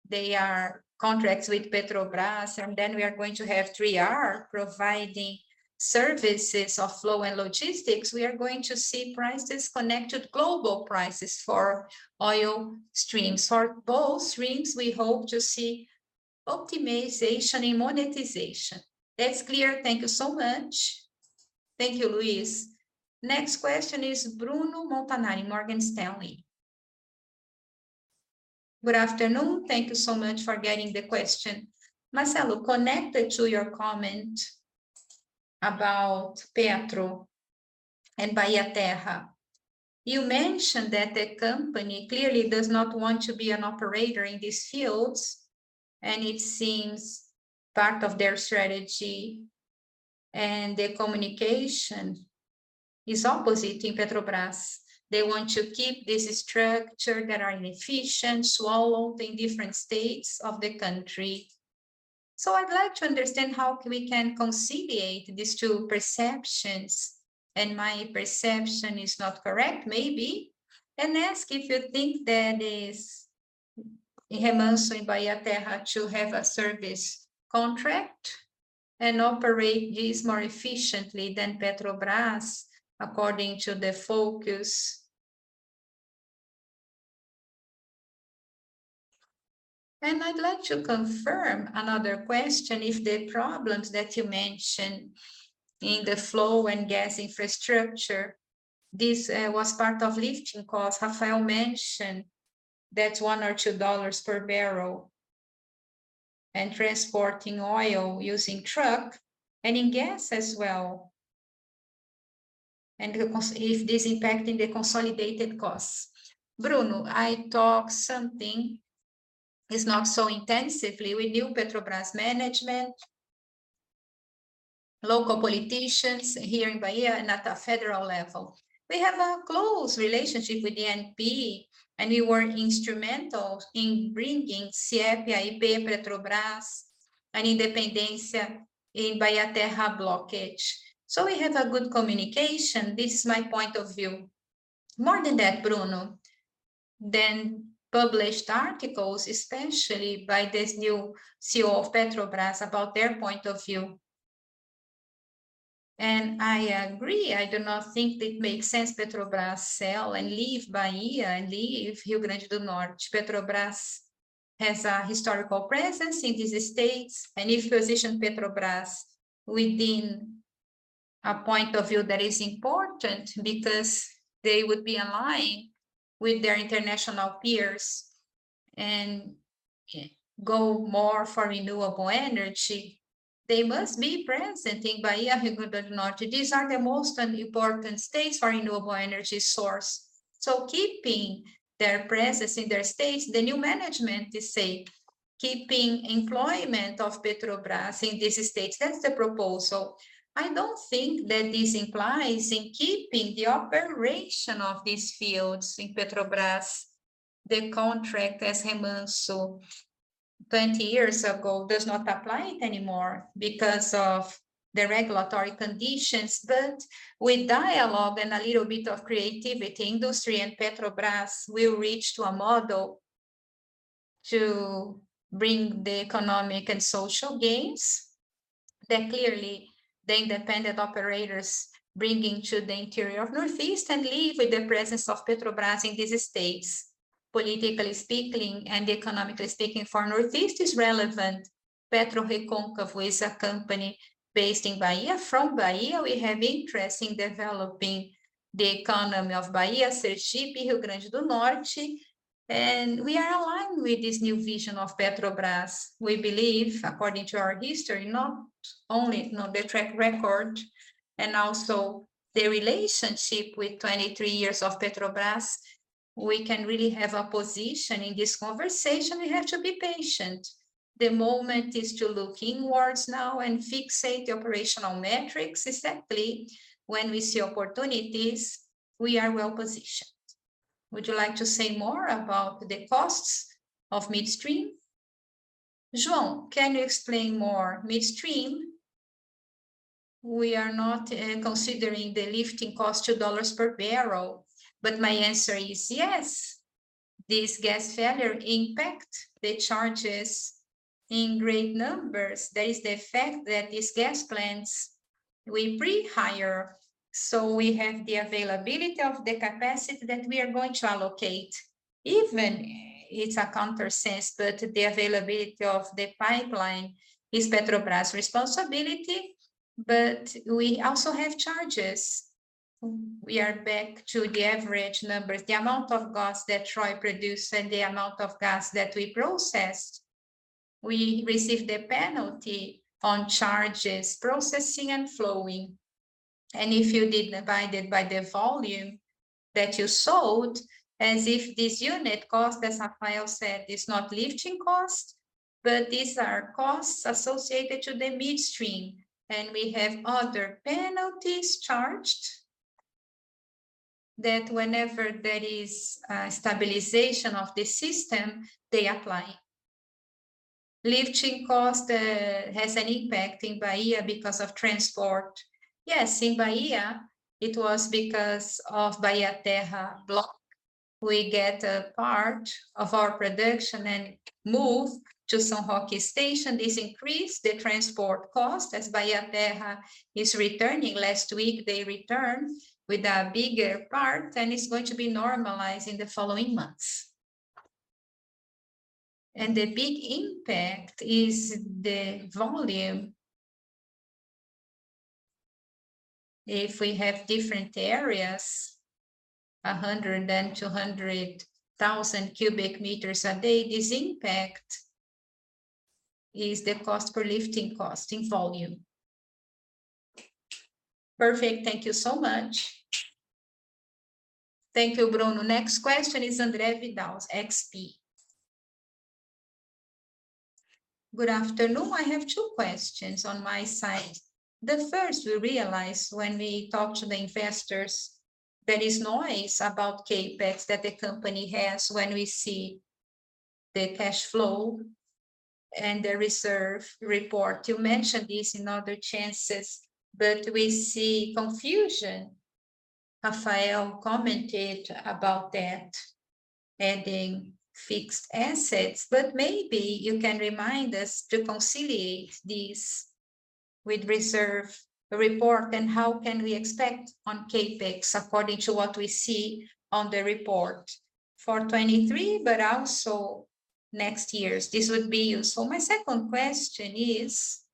they are contracts with Petrobras. Then we are going to have 3R providing services of flow and logistics. We are going to see prices connected, global prices for oil streams. For both streams, we hope to see optimization in monetization. That's clear. Thank you so much. Thank you, Luis. Next question is Bruno Montanari, Morgan Stanley. Good afternoon. Thank you so much for getting the question. Marcelo, connected to your comment about Petrobras and Bahia Terra, you mentioned that the company clearly does not want to be an operator in these fields, and it seems part of their strategy and their communication is opposite in Petrobras. They want to keep this structure that are inefficient, swallowed in different states of the country. I'd like to understand how can we can conciliate these two perceptions, and my perception is not correct, maybe, and ask if you think that is, Remanso in Bahia Terra to have a service contract and operate this more efficiently than Petrobras according to the focus. I'd like to confirm another question, if the problems that you mentioned in the flow and gas infrastructure, this was part of lifting costs. Rafael mentioned that's $1 or $2 per barrel, and transporting oil using truck and in gas as well, if this impacting the consolidated costs? Bruno, I talk something, it's not so intensively with new Petrobras management, local politicians here in Bahia and at a federal level. We have a close relationship with the ANP, and we were instrumental in bringing SEAP, AIB, Petrobras, and Independencia in Bahia Terra blockage. We have a good communication, this is my point of view. More than that, Bruno, then published articles, especially by this new CEO of Petrobras about their point of view. I agree, I do not think it makes sense Petrobras sell and leave Bahia and leave Rio Grande do Norte. Petrobras has a historical presence in these states, if position Petrobras within a point of view that is important because they would be in line with their international peers and go more for renewable energy, they must be present in Bahia, Rio Grande do Norte. These are the most and important states for renewable energy source. Keeping their presence in their states, the new management is keeping employment of Petrobras in these states, that's the proposal. I don't think that this implies in keeping the operation of these fields in Petrobras, the contract as Remanso, 20 years ago, does not apply anymore because of the regulatory conditions. With dialogue and a little bit of creativity, industry and Petrobras will reach to a model to bring the economic and social gains that clearly the independent operators bringing to the interior of Northeast and leave with the presence of Petrobras in these states. Politically speaking and economically speaking for Northeast is relevant. PetroRecôncavo is a company based in Bahia. From Bahia, we have interest in developing the economy of Bahia, Sergipe, Rio Grande do Norte, and we are aligned with this new vision of Petrobras. We believe according to our history, not only the track record, and also the relationship with 23 years of Petrobras, we can really have a position in this conversation. We have to be patient. The moment is to look inwards now and fixate the operational metrics exactly when we see opportunities, we are well positioned. Would you like to say more about the costs of midstream? João, can you explain more midstream? We are not considering the lifting cost to dollars per barrel, but my answer is yes. This gas failure impact the charges in great numbers. There is the effect that these gas plants we breathe higher, so we have the availability of the capacity that we are going to allocate. Even it's a countersense that the availability of the pipeline is Petrobras' responsibility, but we also have charges. We are back to the average numbers, the amount of gas that Troy produce and the amount of gas that we processed. We received a penalty on charges, processing and flowing. If you did divide it by the volume that you sold, as if this unit cost, as Rafael said, is not lifting cost, but these are costs associated to the midstream. We have other penalties charged that whenever there is a stabilization of the system, they apply. Lifting cost has an impact in Bahia because of transport. Yes, in Bahia it was because of Bahia Terra block. We get a part of our production and move to Sao Roque Station. This increase the transport cost, as Bahia Terra is returning. Last week they return with a bigger part. It's going to be normalized in the following months. The big impact is the volume. If we have different areas, 100,000 and 200,000 Cbm/d, this impact is the cost per lifting cost in volume. Perfect. Thank you so much. Thank you, Bruno. Next question is André Vidal, XP. Good afternoon. I have two questions on my side. The first we realize when we talk to the investors, there is noise about CapEx that the company has when we see the cash flow and the reserve report. You mentioned this in other chances, we see confusion. Rafael commented about that, adding fixed assets, maybe you can remind us to conciliate this with reserve report, how can we expect on CapEx according to what we see on the report for 2023, also next year's. This would be useful. My second question is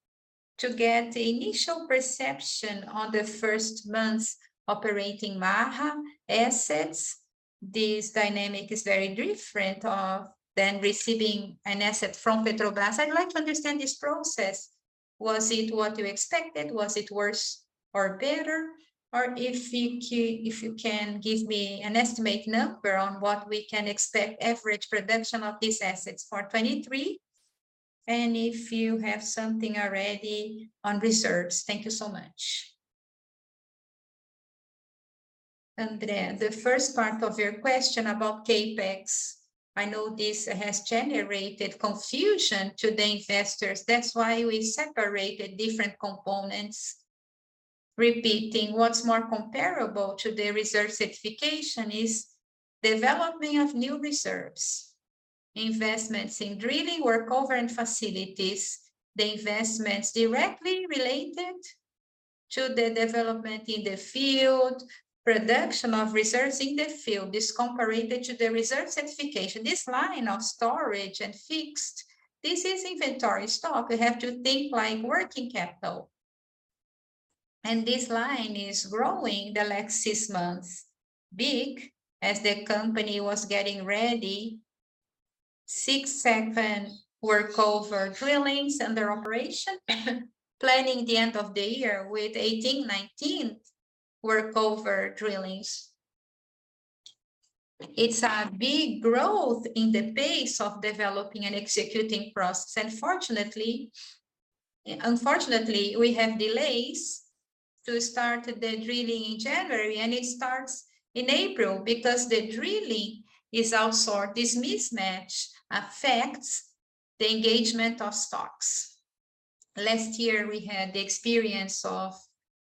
to get the initial perception on the first month operating Bahia Terra assets. This dynamic is very different of than receiving an asset from Petrobras. I'd like to understand this process. Was it what you expected? Was it worse or better? If you can give me an estimate number on what we can expect average production of these assets for 2023, and if you have something already on reserves. Thank you so much. André, the first part of your question about CapEx, I know this has generated confusion to the investors, that's why we separated different components. Repeating what's more comparable to the reserve certification is developing of new reserves, investments in drilling workover and facilities, the investments directly related to the development in the field, production of reserves in the field is compared to the reserve certification. This line of storage and fixed, this is inventory stock. We have to think like working capital. This line is growing the last six months, big, as the company was getting ready, six, seven workover drillings and their operation, planning the end of the year with 18, 19 workover drillings. It's a big growth in the pace of developing and executing process. Unfortunately, we have delays to start the drilling in January, and it starts in April because the drilling is outsourced. This mismatch affects the engagement of stocks. Last year we had the experience of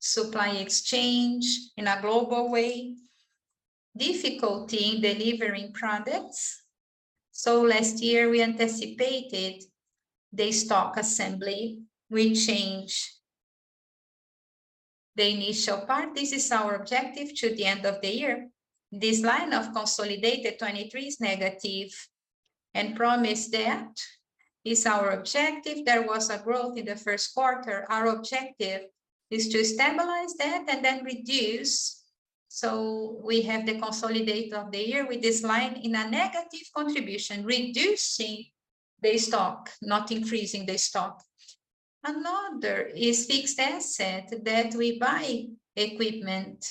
supply exchange in a global way, difficulty in delivering products, so last year we anticipated the stock assembly. The initial part, this is our objective to the end of the year. This line of consolidated 2023 is negative, and promise that is our objective. There was a growth in the first quarter. Our objective is to stabilize that and then reduce. We have the consolidate of the year with this line in a negative contribution, reducing the stock, not increasing the stock. Another is fixed asset that we buy equipment.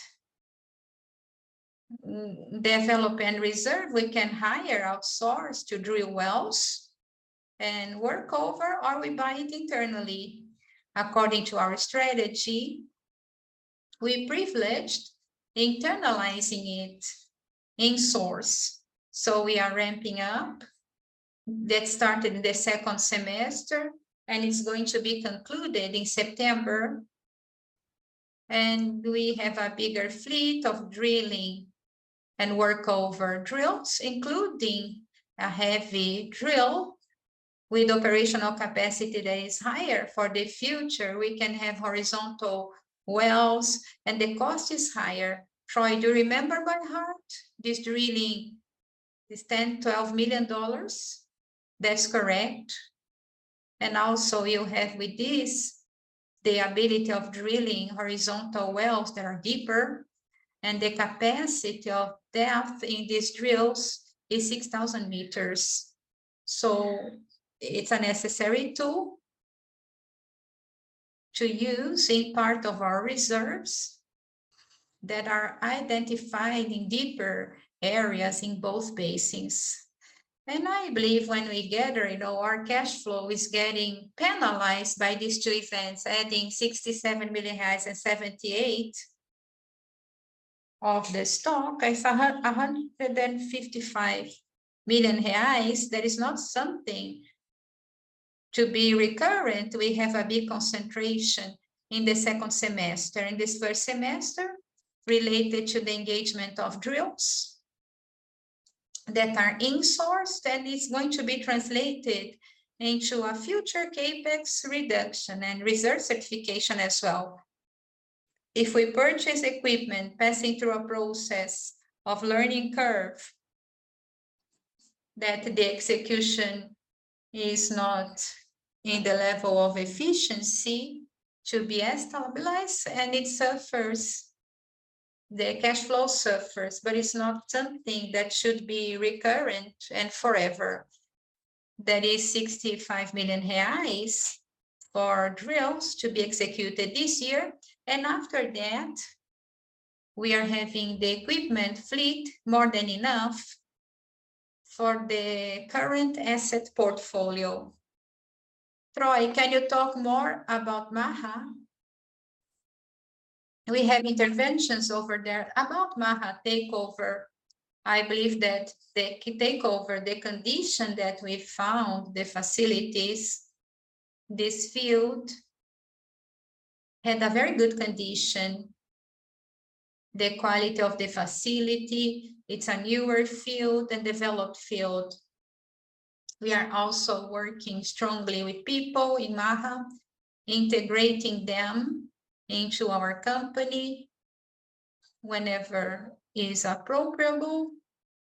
Develop and reserve, we can hire outsource to drill wells and workover or we buy it internally according to our strategy. We privileged internalizing it insource. We are ramping up. That started in the second semester, and it's going to be concluded in September, and we have a bigger fleet of drilling and workover drills, including a heavy drill with operational capacity that is higher for the future. We can have horizontal wells, and the cost is higher. Troy, do you remember Bernhardt? This drilling is $10 million-$12 million. That's correct. You have with this, the ability of drilling horizontal wells that are deeper, and the capacity of depth in these drills is 6,000 meters. It's a necessary tool to use in part of our reserves that are identifying deeper areas in both basins. I believe when we gather it all, our cash flow is getting penalized by these two events, adding 67 million reais and 78 million of the stock, is 155 million reais. That is not something to be recurrent. We have a big concentration in the second semester, in this first semester related to the engagement of drills that are insourced, that is going to be translated into a future CapEx reduction and reserve certification as well. If we purchase equipment passing through a process of learning curve, that the execution is not in the level of efficiency to be as stabilized, and it suffers, the cash flow suffers, but it's not something that should be recurrent and forever. That is 65 million reais for drills to be executed this year. After that, we are having the equipment fleet more than enough for the current asset portfolio. Troy, can you talk more about Maha? We have interventions over there. About Maha takeover, I believe that the takeover, the condition that we found the facilities, this field had a very good condition. The quality of the facility, it's a newer field and developed field. We are also working strongly with people in Maha, integrating them into our company whenever is appropriable.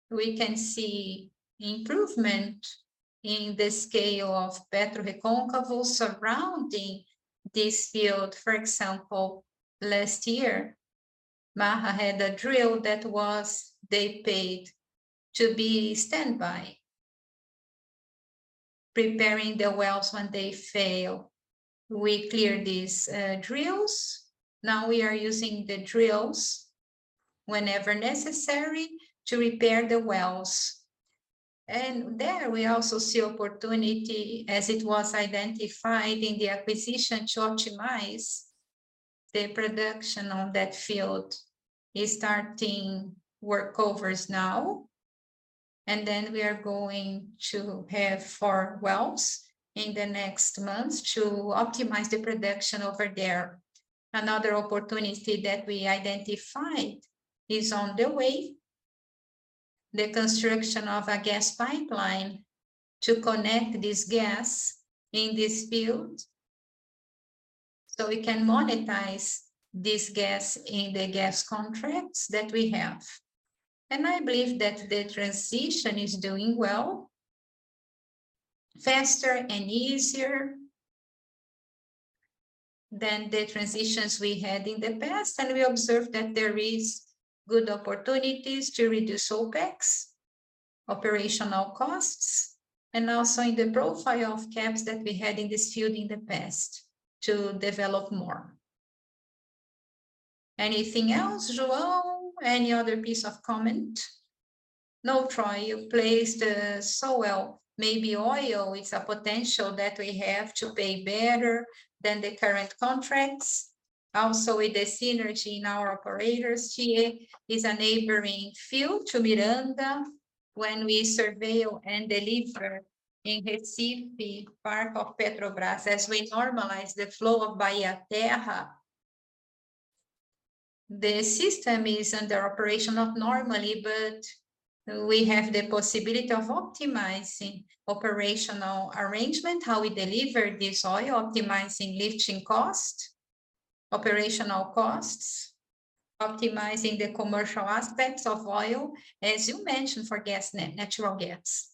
We can see improvement in the scale of PetroRecôncavo surrounding this field. For example, last year, Maha Energy had a drill that was. They paid to be standby, preparing the wells when they fail. We cleared these drills. We are using the drills whenever necessary to repair the wells. There we also see opportunity, as it was identified in the acquisition, to optimize the production on that field, is starting workovers now, and then we are going to have four wells in the next months to optimize the production over there. Another opportunity that we identified is on the way, the construction of a gas pipeline to connect this gas in this field so we can monetize this gas in the gas contracts that we have. I believe that the transition is doing well, faster and easier than the transitions we had in the past. We observed that there is good opportunities to reduce OpEx, operational costs, and also in the profile of CapEx that we had in this field in the past to develop more. Anything else, João? Any other piece of comment? Troy, you placed so well. Maybe oil is a potential that we have to pay better than the current contracts. With the synergy in our operators, Tiê is a neighboring field to Miranga. When we surveil and deliver in Recife, part of Petrobras, as we normalize the flow of Bahia Terra. The system is under operation, not normally, but we have the possibility of optimizing operational arrangement, how we deliver this oil, optimizing lifting cost, operational costs, optimizing the commercial aspects of oil, as you mentioned, for gas, natural gas.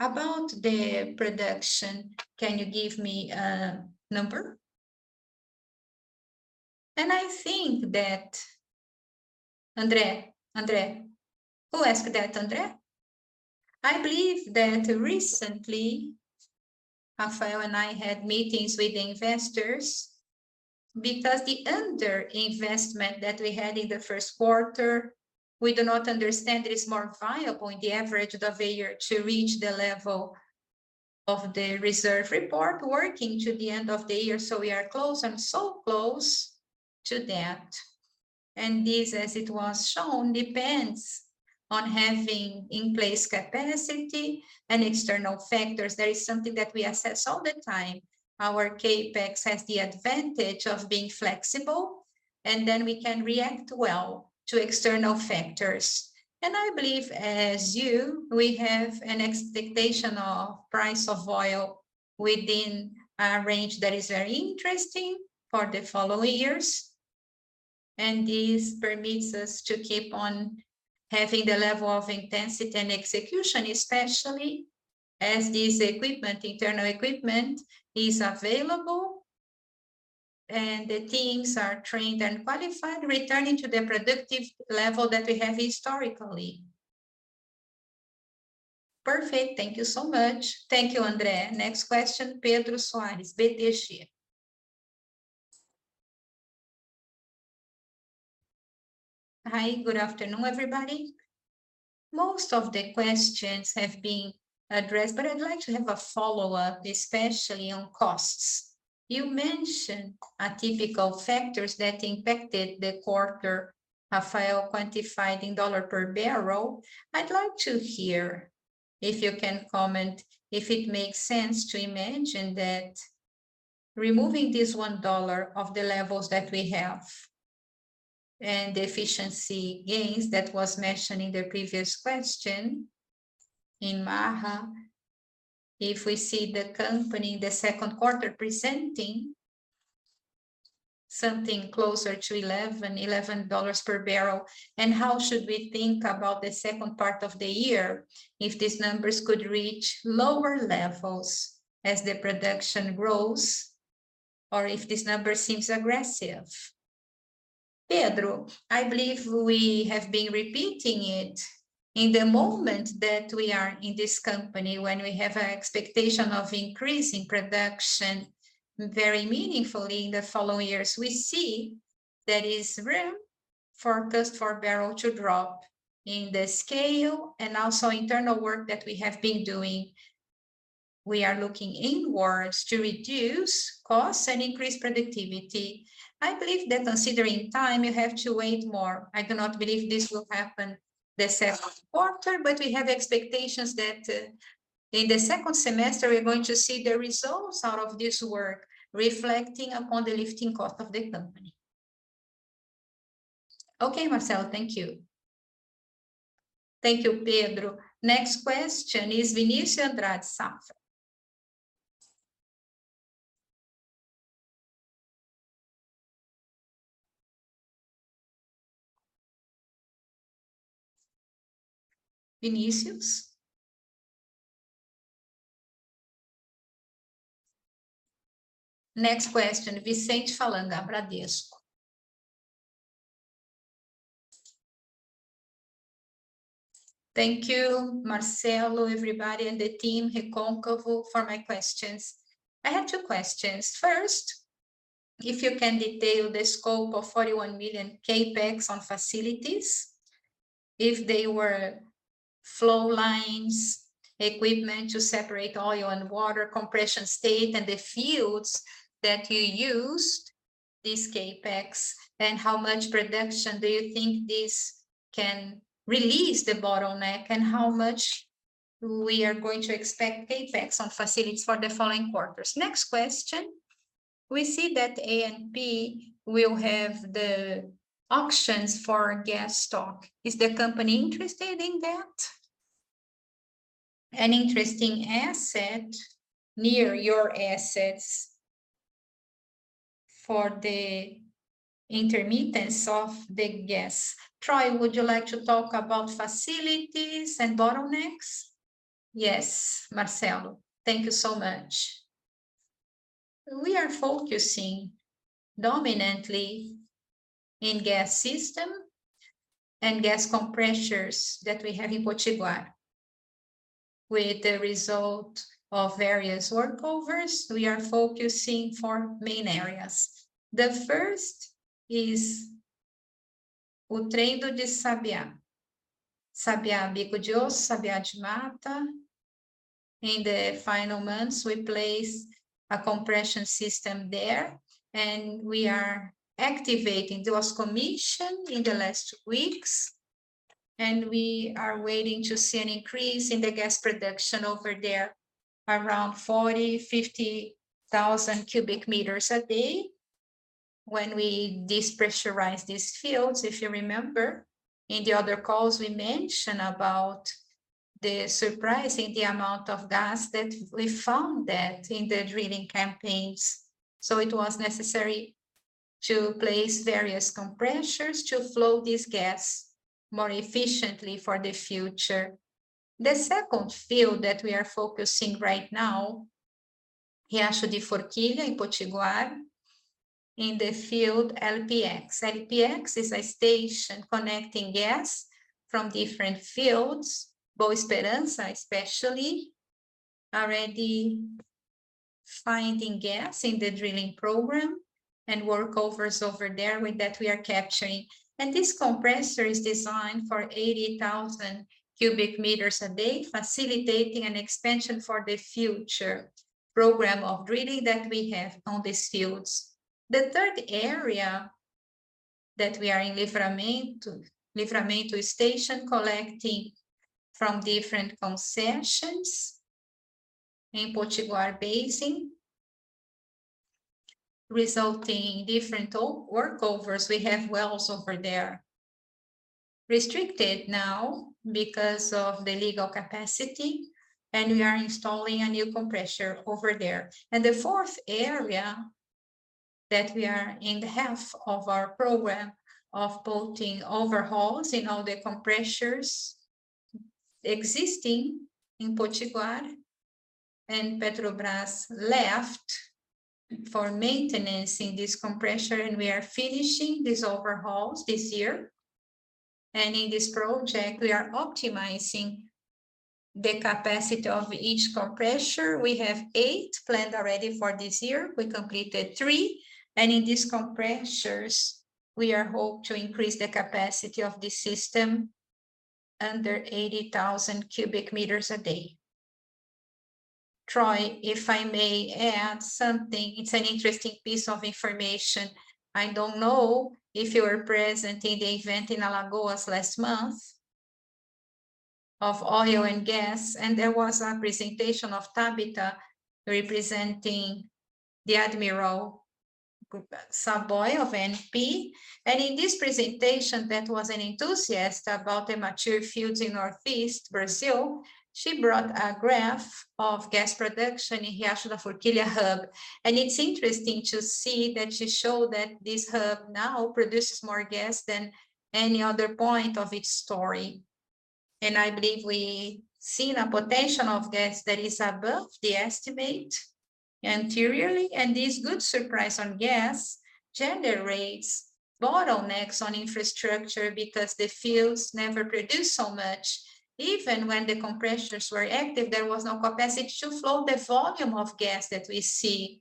About the production, can you give me a number? I think that André. Who asked that, André? I believe that recently Rafael and I had meetings with investors because the under investment that we had in the first quarter, we do not understand it is more viable in the average of a year to reach the level of the reserve report working to the end of the year. We are close and so close to that, and this, as it was shown, depends on having in place capacity and external factors. That is something that we assess all the time. Our CapEx has the advantage of being flexible, and then we can react well to external factors. I believe, as you, we have an expectation of price of oil within a range that is very interesting for the following years, and this permits us to keep on having the level of intensity and execution, especially as this equipment, internal equipment, is available and the teams are trained and qualified, returning to the productive level that we have historically. Perfect. Thank you so much. Thank you, André. Next question, Pedro Soares, BTG Pactual. Hi, good afternoon, everybody. Most of the questions have been addressed, I'd like to have a follow-up, especially on costs. You mentioned atypical factors that impacted the quarter, Rafael quantified in dollar per barrel. I'd like to hear if you can comment if it makes sense to imagine that removing this $1 of the levels that we have and the efficiency gains that was mentioned in the previous question in Maha, if we see the company in the second quarter presenting something closer to $11 per barrel, and how should we think about the second part of the year if these numbers could reach lower levels as the production grows, or if this number seems aggressive? Pedro, I believe we have been repeating it. In the moment that we are in this company, when we have an expectation of increasing production very meaningfully in the following years, we see there is room for cost per barrel to drop in the scale and also internal work that we have been doing. We are looking inwards to reduce costs and increase productivity. I believe that considering time, you have to wait more. I cannot believe this will happen the second quarter, but we have expectations that in the second semester, we're going to see the results out of this work reflecting upon the lifting cost of the company. Okay, Marcelo, thank you. Thank you, Pedro. Next question is Vinicius Andrade, Santander. Vinicius? Next question, Vicente Falanga, Bradesco. Thank you, Marcelo, everybody, and the team at PetroRecôncavo for my questions. I have two questions. First, if you can detail the scope of $41 million CapEx on facilities, if they were flow lines, equipment to separate oil and water, compression state, and the fields that you used this CapEx, and how much production do you think this can release the bottleneck, and how much we are going to expect CapEx on facilities for the following quarters? Next question, we see that ANP will have the auctions for gas stock. Is the company interested in that? An interesting asset near your assets for the intermittence of the gas. Troy, would you like to talk about facilities and bottlenecks? Yes, Marcelo. Thank you so much. We are focusing dominantly in gas system and gas compressors that we have in Potiguar. With the result of various workovers, we are focusing four main areas. The first is O Trevo de Sabiá. Sabiá Bico-de-Osso, Sabiá da Mata. In the final months, we place a compression system there, and we are activating. There was commission in the last weeks. We are waiting to see an increase in the gas production over there, around 40,000–50,000 Cbm/d. When we depressurize these fields, if you remember, in the other calls we mention about the surprising, the amount of gas that we found that in the drilling campaigns. It was necessary to place various compressors to flow this gas more efficiently for the future. The second field that we are focusing right now, Riacho de Forquilha in Potiguar, in the field LPX. LPX is a station connecting gas from different fields, Boa Esperança especially, already finding gas in the drilling program, and workovers over there with that we are capturing. This compressor is designed for 80,000 Cbm/d, facilitating an expansion for the future program of drilling that we have on these fields. The third area that we are in, Livramento. Livramento station collecting from different concessions in Potiguar Basin, resulting in different workovers. We have wells over there restricted now because of the legal capacity, and we are installing a new compressor over there. The fourth area that we are in the half of our program of putting overhauls in all the compressors existing in Potiguar, and Petrobras left for maintenance in this compressor, and we are finishing these overhauls this year. In this project we are optimizing the capacity of each compressor. We have eight planned already for this year. We completed three. In these compressors, we are hope to increase the capacity of the system under 80,000 Cbm/d. Troy, if I may add something, it's an interesting piece of information. I don't know if you were present in the event in Alagoas last month of oil and gas, and there was a presentation of Tabita representing Admiral Savoy of ANP. In this presentation that was an enthusiast about the mature fields in Northeast Brazil, she brought a graph of gas production in Riacho da Forquilha hub. It's interesting to see that she showed that this hub now produces more gas than any other point of its story. I believe we've seen a potential of gas that is above the estimate anteriorly. This good surprise on gas generates bottlenecks on infrastructure because the fields never produce so much. Even when the compressors were active, there was no capacity to flow the volume of gas that we see,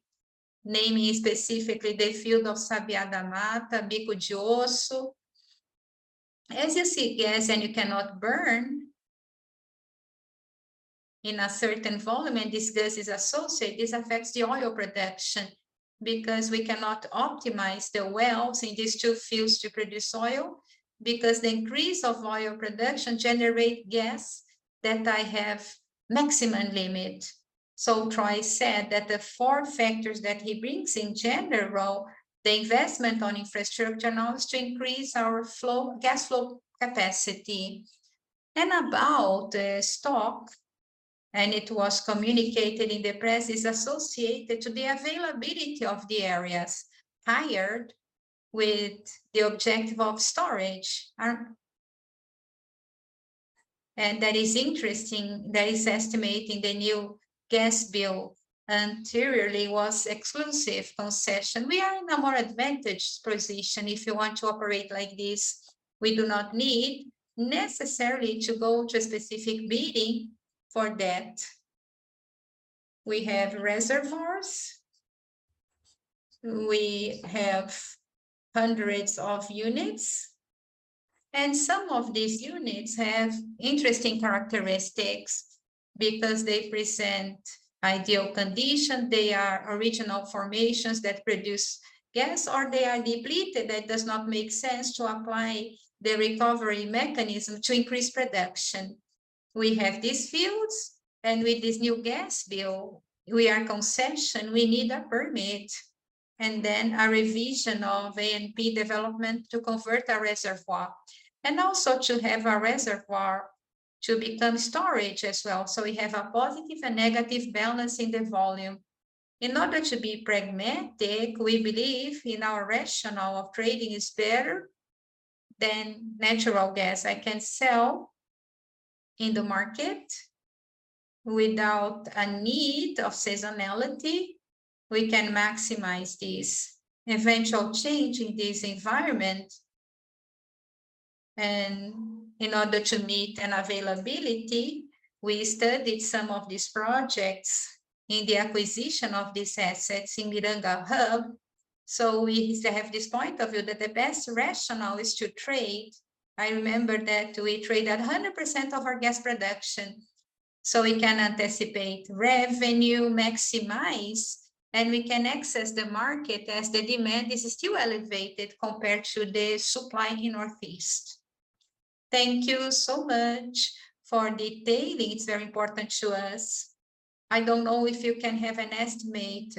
naming specifically the field of Sabiá da Mata, Bico do Osso. You see gas, and you cannot burn in a certain volume, and this gas is associated, this affects the oil production, because we cannot optimize the wells in these two fields to produce oil, because the increase of oil production generate gas that I have maximum limit. Troy said that the four factors that he brings in general, the investment on infrastructure allows to increase our flow, gas flow capacity. About the stock, and it was communicated in the press, is associated to the availability of the areas hired with the objective of storage. That is interesting, that is estimating the new gas bill anteriorly was exclusive concession. We are in a more advantaged position if you want to operate like this. We do not need necessarily to go to a specific bidding for that. We have reservoirs, we have hundreds of units. Some of these units have interesting characteristics because they present ideal condition. They are original formations that produce gas, or they are depleted, that does not make sense to apply the recovery mechanism to increase production. We have these fields. With this new gas bill, we are concession, we need a permit, and then a revision of ANP development to convert a reservoir, also to have a reservoir to become storage as well. We have a positive and negative balance in the volume. In order to be pragmatic, we believe in our rationale of trading is better than natural gas. I can sell in the market without a need of seasonality. We can maximize this eventual change in this environment. In order to meet an availability, we studied some of these projects in the acquisition of these assets in Miranga Hub. We still have this point of view that the best rationale is to trade. I remember that we trade 100% of our gas production. We can anticipate revenue maximize, and we can access the market as the demand is still elevated compared to the supply in Northeast. Thank you so much for detailing. It's very important to us. I don't know if you can have an estimate,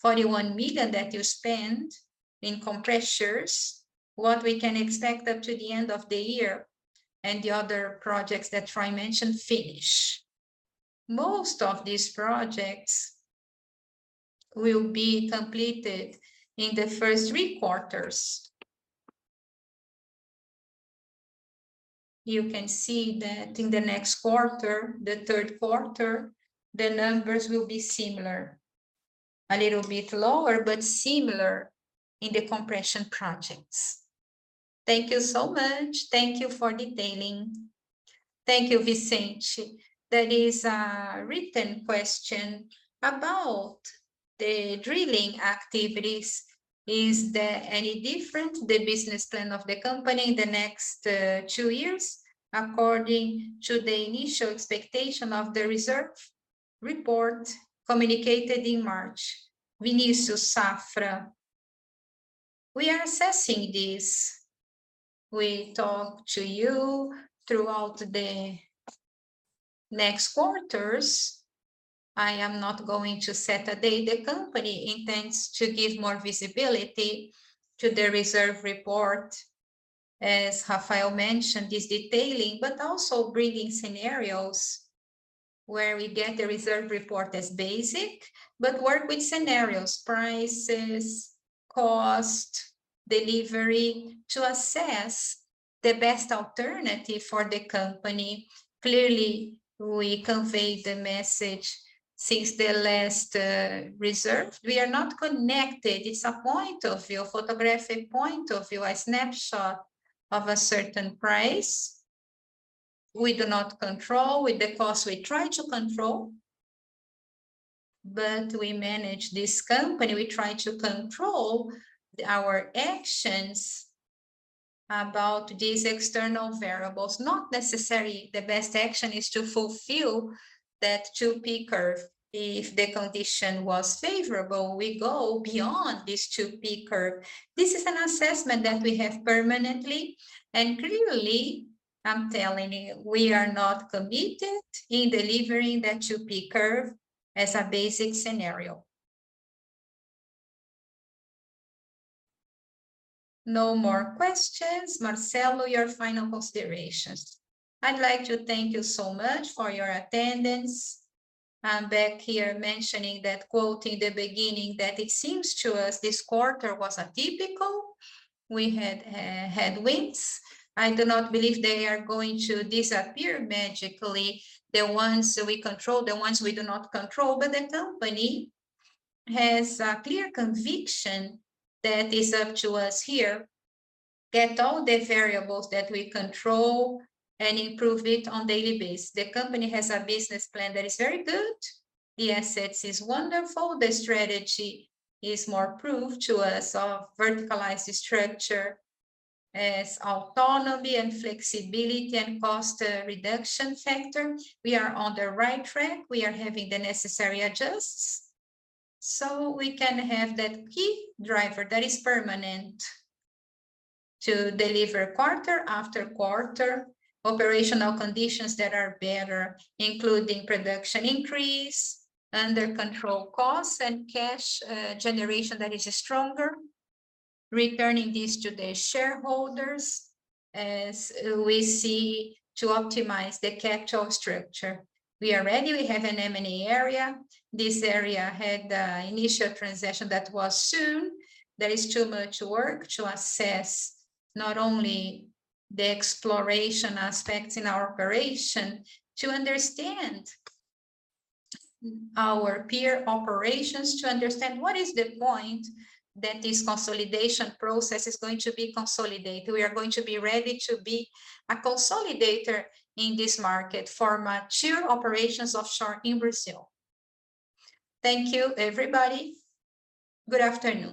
41 million that you spent in compressors, what we can expect up to the end of the year, and the other projects that Troy mentioned finish? Most of these projects will be completed in the first three quarters. You can see that in the next quarter, the third quarter, the numbers will be similar. A little bit lower, but similar in the compression projects. Thank you so much. Thank you for detailing. Thank you, Vicente. There is a written question about the drilling activities. Is there any different, the business plan of the company in the next two years according to the initial expectation of the reserve report communicated in March? Vinicius Safra. We are assessing this. We talk to you throughout the next quarters. I am not going to set a date. The company intends to give more visibility to the reserve report, as Rafael mentioned, is detailing, but also bringing scenarios where we get the reserve report as basic, but work with scenarios, prices, cost, delivery, to assess the best alternative for the company. Clearly, we convey the message since the last reserve. We are not connected. It's a point of view, photographic point of view, a snapshot of a certain price. We do not control. With the cost, we try to control. We manage this company, we try to control our actions about these external variables. Not necessary the best action is to fulfill that two-peak curve. If the condition was favorable, we go beyond this two-peak curve. This is an assessment that we have permanently. Clearly, I'm telling you, we are not committed in delivering that two-peak curve as a basic scenario. No more questions. Marcelo, your final considerations. I'd like to thank you so much for your attendance. I'm back here mentioning that quote in the beginning that it seems to us this quarter was atypical. We had headwinds. I do not believe they are going to disappear magically, the ones we control, the ones we do not control. The company has a clear conviction that is up to us here. Get all the variables that we control and improve it on daily basis. The company has a business plan that is very good. The assets is wonderful. The strategy is more proof to us of verticalized structure as autonomy and flexibility and cost reduction factor. We are on the right track. We are having the necessary adjusts, so we can have that key driver that is permanent to deliver quarter after quarter operational conditions that are better, including production increase, under control costs, and cash generation that is stronger, returning this to the shareholders as we see to optimize the capital structure. We already have an M&A area. This area had an initial transition that was soon. There is too much work to assess not only the exploration aspects in our operation to understand our peer operations, to understand what is the point that this consolidation process is going to be consolidated. We are going to be ready to be a consolidator in this market for mature operations offshore in Brazil. Thank you, everybody. Good afternoon.